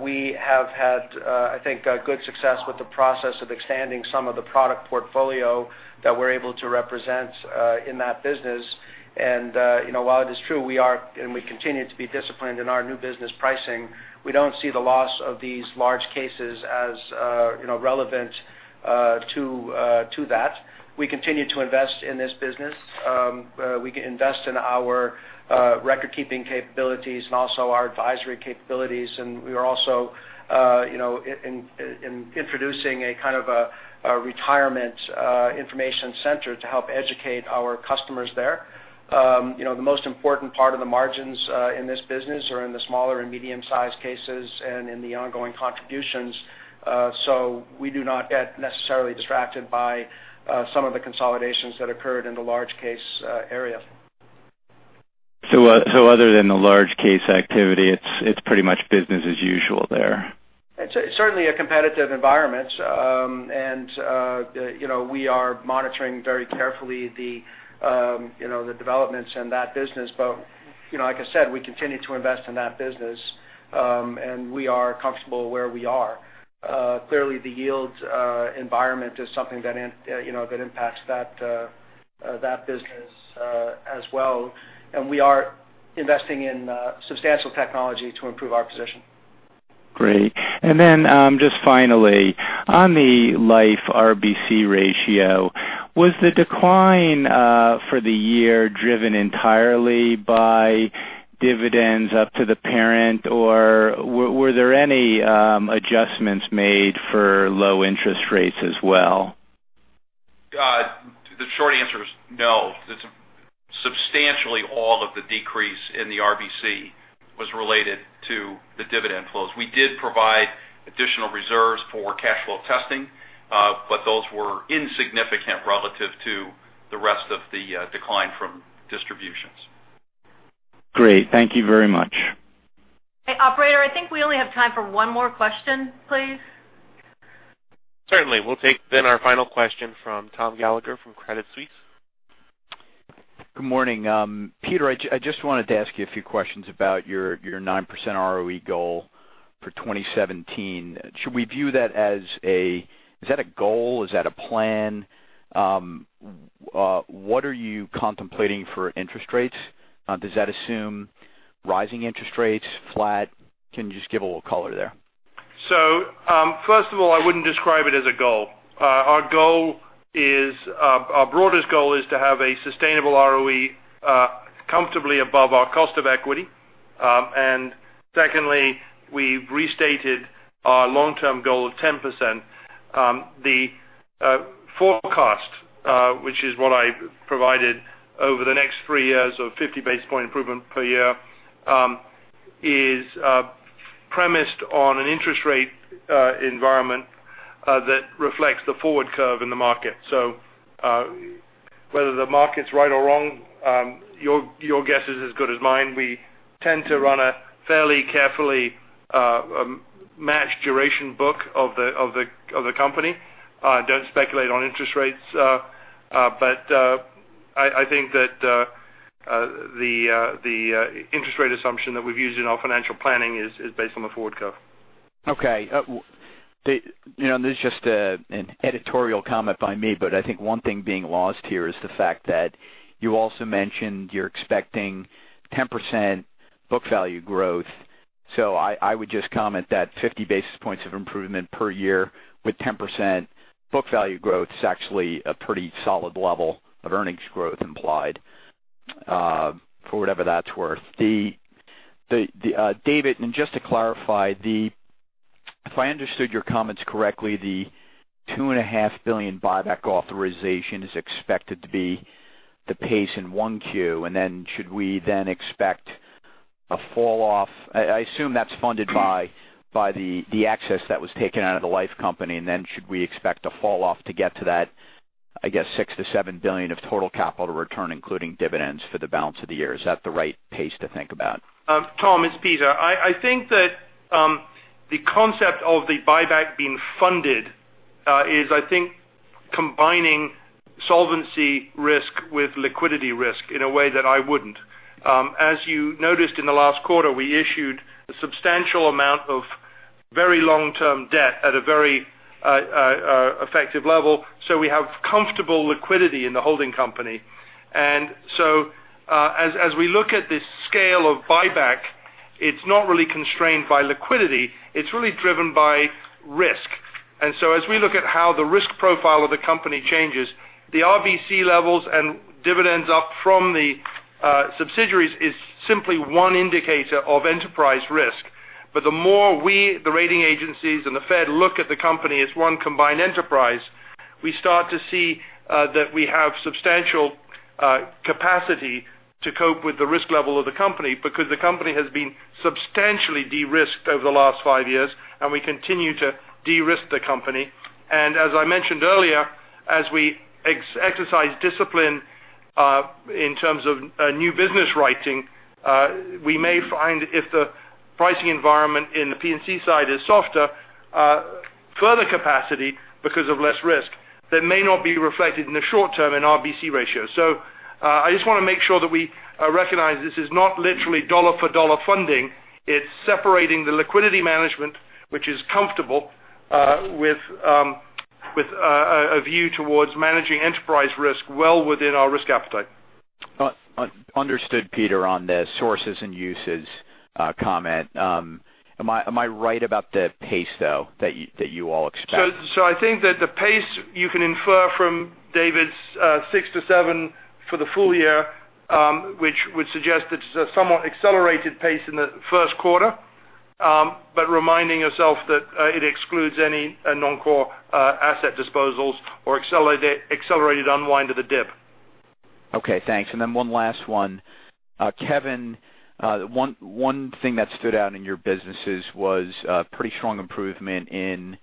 We have had, I think, good success with the process of expanding some of the product portfolio that we're able to represent in that business. While it is true we are, and we continue to be disciplined in our new business pricing, we don't see the loss of these large cases as relevant to that. We continue to invest in this business. We invest in our record-keeping capabilities and also our advisory capabilities. We are also in introducing a kind of a retirement information center to help educate our customers there. The most important part of the margins in this business are in the smaller and medium-sized cases and in the ongoing contributions. We do not get necessarily distracted by some of the consolidations that occurred in the large case area. Other than the large case activity, it's pretty much business as usual there. It's certainly a competitive environment. We are monitoring very carefully the developments in that business. Like I said, we continue to invest in that business. We are comfortable where we are. Clearly, the yields environment is something that impacts that business as well. We are investing in substantial technology to improve our position. Great. Just finally, on the life RBC ratio, was the decline for the year driven entirely by dividends up to the parent, or were there any adjustments made for low interest rates as well? The short answer is no. Substantially all of the decrease in the RBC was related to the dividend flows. We did provide additional reserves for cash flow testing. Those were insignificant relative to the rest of the decline from distributions. Great. Thank you very much. Hey, operator, I think we only have time for one more question, please. Certainly. We'll take our final question from Thomas Gallagher from Credit Suisse. Good morning. Peter, I just wanted to ask you a few questions about your 9% ROE goal for 2017. Should we view that as a goal? Is that a plan? What are you contemplating for interest rates? Does that assume rising interest rates, flat? Can you just give a little color there? First of all, I wouldn't describe it as a goal. Our broadest goal is to have a sustainable ROE comfortably above our cost of equity. Secondly, we restated our long-term goal of 10%. The forecast, which is what I provided over the next three years of 50 basis point improvement per year, is premised on an interest rate environment that reflects the forward curve in the market. Whether the market's right or wrong, your guess is as good as mine. We tend to run a fairly carefully matched duration book of the company. I don't speculate on interest rates, but I think that the interest rate assumption that we've used in our financial planning is based on the forward curve. Okay. This is just an editorial comment by me, I think one thing being lost here is the fact that you also mentioned you're expecting 10% book value growth. I would just comment that 50 basis points of improvement per year with 10% book value growth is actually a pretty solid level of earnings growth implied, for whatever that's worth. David, just to clarify, if I understood your comments correctly, the $2.5 billion buyback authorization is expected to be the pace in 1Q. Should we then expect a falloff? I assume that's funded by the excess that was taken out of the life company, and then should we expect a falloff to get to that, I guess, $6 billion-$7 billion of total capital return, including dividends for the balance of the year? Is that the right pace to think about? Tom, it's Peter. I think that the concept of the buyback being funded is combining solvency risk with liquidity risk in a way that I wouldn't. As you noticed in the last quarter, we issued a substantial amount of very long-term debt at a very effective level. We have comfortable liquidity in the holding company. As we look at this scale of buyback, it's not really constrained by liquidity. It's really driven by risk. As we look at how the risk profile of the company changes, the RBC levels and dividends up from the subsidiaries is simply one indicator of enterprise risk. The more we, the rating agencies, and the Fed look at the company as one combined enterprise, we start to see that we have substantial capacity to cope with the risk level of the company because the company has been substantially de-risked over the last five years, and we continue to de-risk the company. As I mentioned earlier, as we exercise discipline in terms of new business writing, we may find if the pricing environment in the P&C side is softer, further capacity because of less risk, that may not be reflected in the short term in RBC ratio. I just want to make sure that we recognize this is not literally dollar-for-dollar funding. It's separating the liquidity management, which is comfortable, with a view towards managing enterprise risk well within our risk appetite. Understood, Peter, on the sources and uses comment. Am I right about the pace, though, that you all expect? I think that the pace you can infer from David's 6 to 7 for the full year, which would suggest it's a somewhat accelerated pace in the first quarter. Reminding yourself that it excludes any non-core asset disposals or accelerated unwind of the DIB. Okay, thanks. One last one. Kevin, one thing that stood out in your businesses was pretty strong improvement in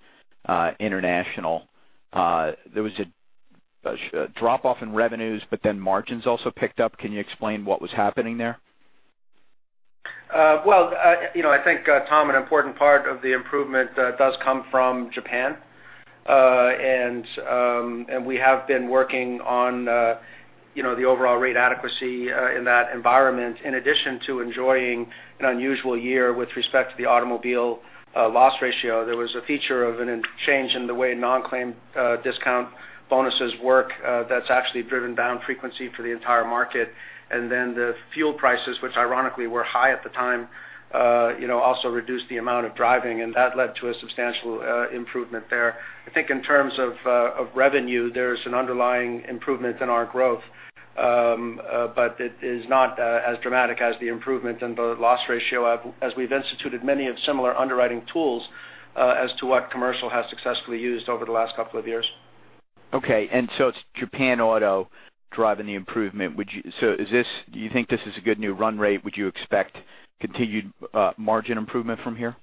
international. There was a drop-off in revenues, margins also picked up. Can you explain what was happening there? Well, I think, Tom, an important part of the improvement does come from Japan. We have been working on the overall rate adequacy in that environment. In addition to enjoying an unusual year with respect to the automobile loss ratio, there was a feature of a change in the way non-claim discount bonuses work that's actually driven down frequency for the entire market. The fuel prices, which ironically were high at the time also reduced the amount of driving, and that led to a substantial improvement there. I think in terms of revenue, there's an underlying improvement in our growth, but it is not as dramatic as the improvement in the loss ratio as we've instituted many of similar underwriting tools as to what commercial has successfully used over the last couple of years. Okay. It's Japan auto driving the improvement. Do you think this is a good new run rate? Would you expect continued margin improvement from here?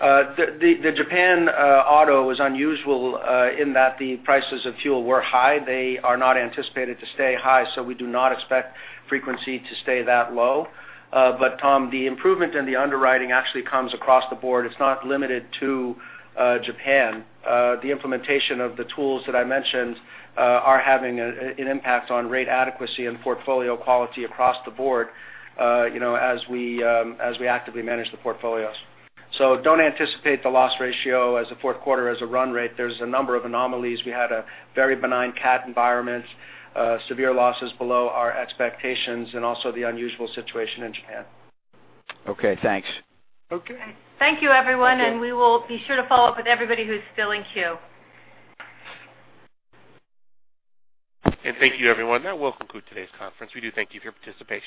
The Japan auto is unusual in that the prices of fuel were high. They are not anticipated to stay high, so we do not expect frequency to stay that low. Tom, the improvement in the underwriting actually comes across the board. It's not limited to Japan. The implementation of the tools that I mentioned are having an impact on rate adequacy and portfolio quality across the board as we actively manage the portfolios. Don't anticipate the loss ratio as a fourth quarter as a run rate. There's a number of anomalies. We had a very benign cat environment, severe losses below our expectations, and also the unusual situation in Japan. Okay, thanks. Okay. Thank you, everyone, we will be sure to follow up with everybody who's still in queue. Thank you, everyone. That will conclude today's conference. We do thank you for your participation.